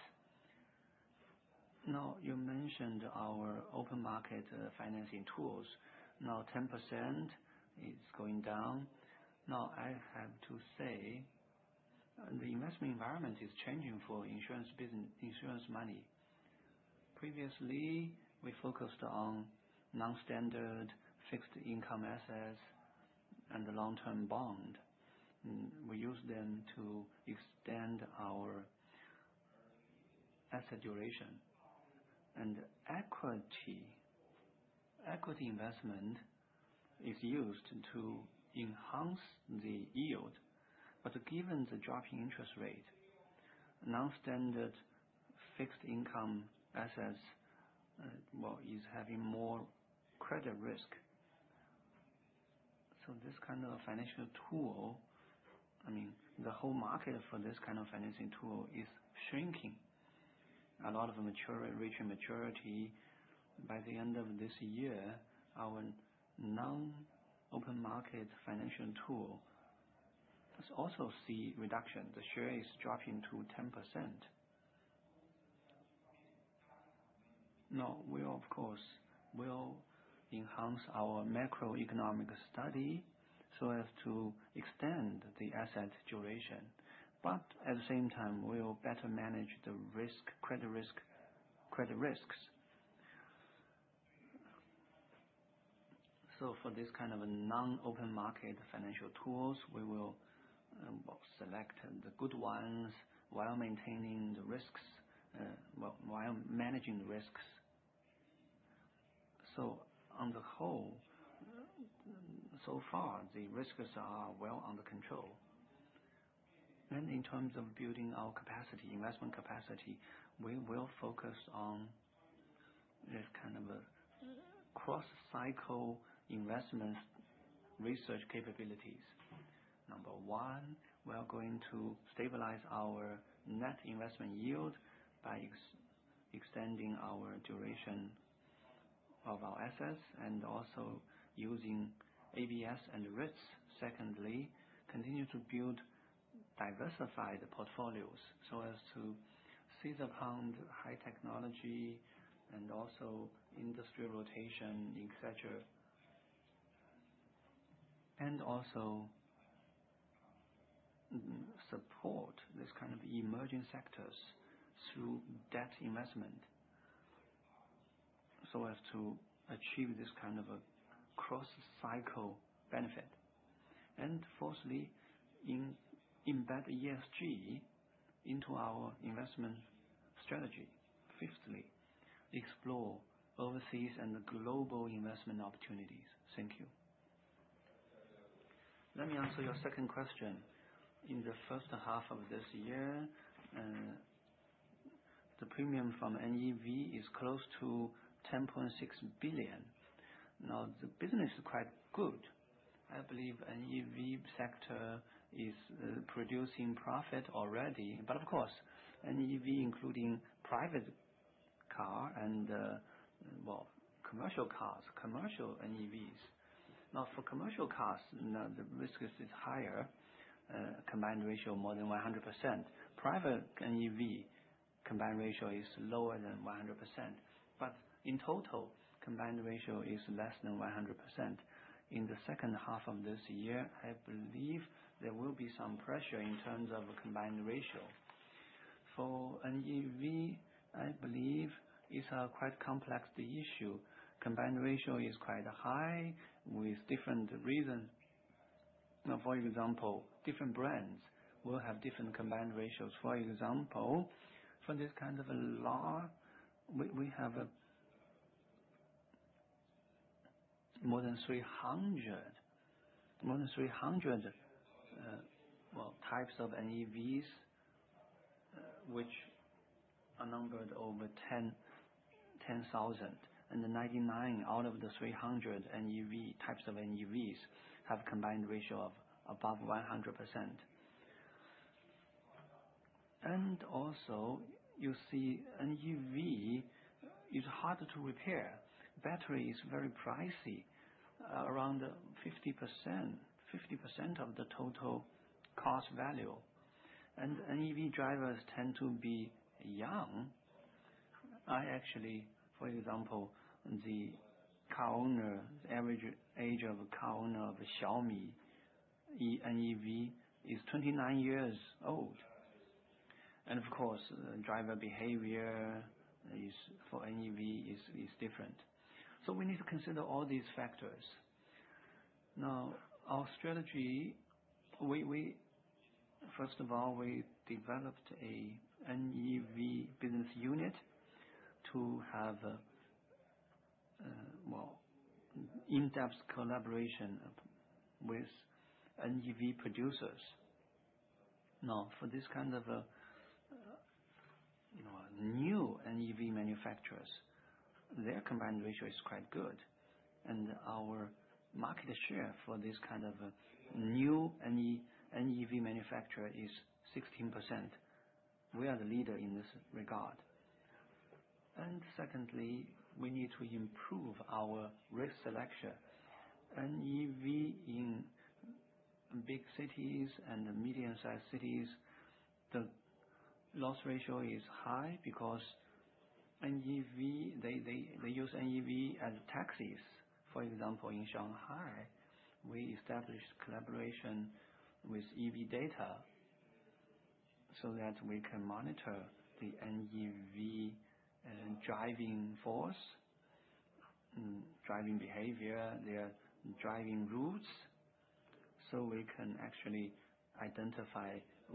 You mentioned our open market financing tools. Now 10% is going down. I have to say the investment environment is changing for insurance money. Previously we focused on non-standard fixed income assets and the long-term bond. We use them to extend our asset duration and equity investment is used to enhance the yield. Given the dropping interest rate, non-standard fixed income assets are having more credit risk. This kind of financial tool, I mean the whole market for this kind of financing tool is shrinking, a lot of maturity reaching maturity by the end of this year. Our non-open market financial tool also sees reduction, the share is dropping to 10%. We will enhance our macroeconomic study so as to extend the asset duration. At the same time we will better manage the risk. Credit risk, credit risks. For this kind of non-open market financial tools we will select the good ones while maintaining the risks, while managing the risks. On the whole, so far the risks are well under control. In terms of building our capacity, investment capacity, we will focus on this kind of cross-cycle investment research capabilities. Number one, we are going to stabilize our net investment yield by extending our duration of our assets and also using ABs and REITs. Secondly, continue to build diversified portfolios so as to seize upon high technology and also industrial rotation, etc. Also support this kind of emerging sectors through debt investment so as to achieve this kind of a cross cycle benefit. Fourthly, integrate ESG into our investment strategy. Fifthly, explore overseas and global investment opportunities. Thank you. Let me answer your second question. In the first half of this year, the premium from NEV is close to 10.6 billion. Now the business is quite good. I believe NEV sector is producing profit already. Of course, NEV increases include private car and commercial cars, commercial and EVs. Now for commercial cars the risk is higher. Combined ratio more than 100%. Private and EV combined ratio is lower than 100%. In total, combined ratio is less than 100%. In the second half of this year, I believe there will be some pressure in terms of a combined ratio for NEV. I believe it's a quite complex issue. Combined ratio is quite high with different reasons. For example, different brands will have different combined ratios. For example, for this kind of law we have more than 300, more than 300 types of NEVs which are numbered over 10,000. The 99 out of the 300 types of NEVs have combined ratio of above 100%. Also, you see, NEV is harder to repair. Battery is very pricey, around 50% of the total cost value. EV drivers tend to be young. For example, the car owner, the average age of a car owner of a Xiaomi NEV is 29 years old. Of course, driver behavior for NEV is different. We need to consider all these factors. Now, our strategy, first of all, we developed a NEV business unit to have in-depth collaboration with NEV producers. For this kind of new and EV manufacturers, their combined ratio is quite good. Our market share for this kind of new NEV manufacturer is 16%. We are the leader in this regard. Secondly, we need to improve our risk selection. NEV in big cities and medium-sized cities, the loss ratio is high because they use NEV as taxis. For example, in Shanghai, we established collaboration with EV data so that we can monitor the NEV driving force, driving behavior, their driving routes. We can actually identify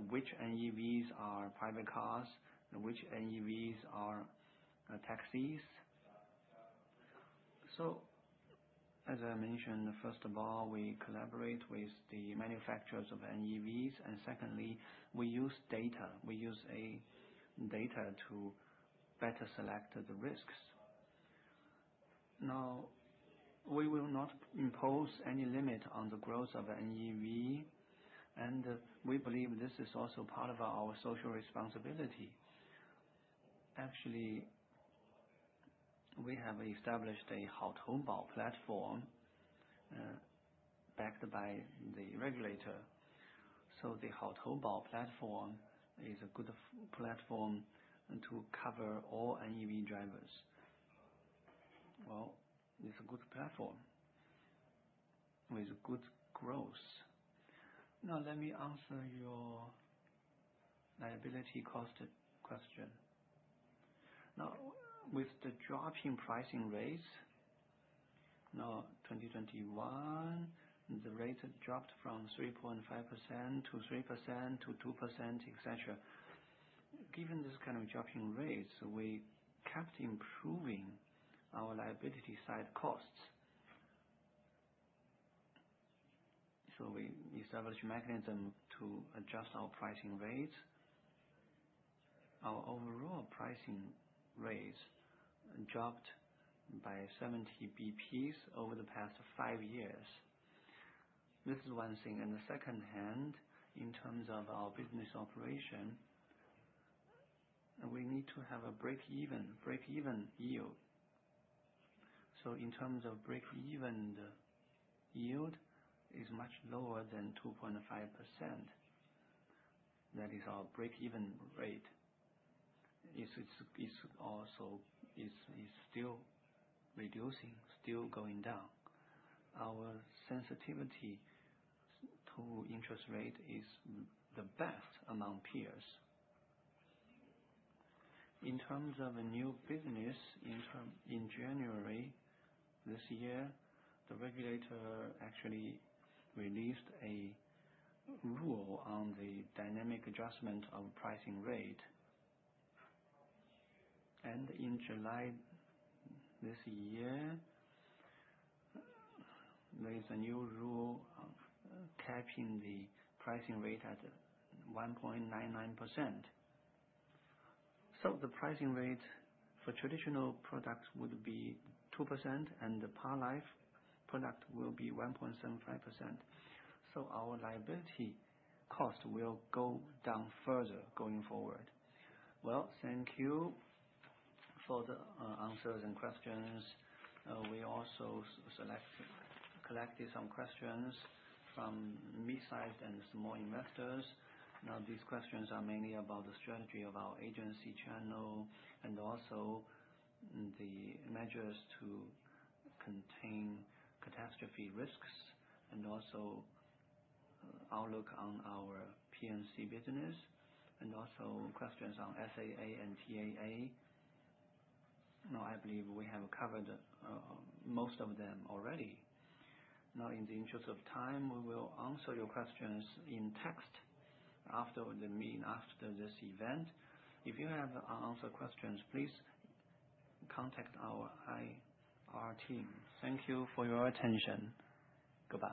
which NEVs are private cars and which NEVs are taxis. As I mentioned, first of all, we collaborate with the manufacturers of NEVs and secondly, we use data. We use data to better select the risks. Now we will not impose any limit on the growth of NEV and we believe this is also part of our social responsibility. Actually, we have established a Houtongbao platform backed by the regulator. The Houtongbao platform is a good platform to cover all NEV drivers. It's a good platform with good growth. Now let me answer your liability cost question. With the dropping pricing rates, in 2021, the rate dropped from 3.5% to 3% to 2%, etc. Given this kind of dropping rates, we kept improving our liability side costs. We established a mechanism to adjust our pricing rates. Our overall pricing rates dropped by 70 basis points over the past five years. This is one thing. In the second hand, in terms of our business operation, we need to have a breakeven yield. In terms of breakeven yield, it is much lower than 2.5%. That is, our breakeven rate is still reducing, still going down. Our sensitivity to interest rate is the best among peers in terms of new business. In January this year, the regulator actually released a rule on the dynamic adjustment of pricing rate. In July this year, there is a new rule capping the pricing rate at 1.99%. The pricing rate for traditional products would be 2% and the Parlife product will be 1.75%. Our liability cost will go down further going forward. Thank you for the answers and questions. We also collected some questions from mid-sized and small investors. These questions are mainly about the strategy of our agency channel and also the measures to contain catastrophe risks, and also outlook on our P&C business and also questions on SAA and TAA. I believe we have covered most of them already. In the interest of time, we will answer your questions in text after this event. If you have unanswered questions, please contact our IR team. Thank you for your attention. Goodbye.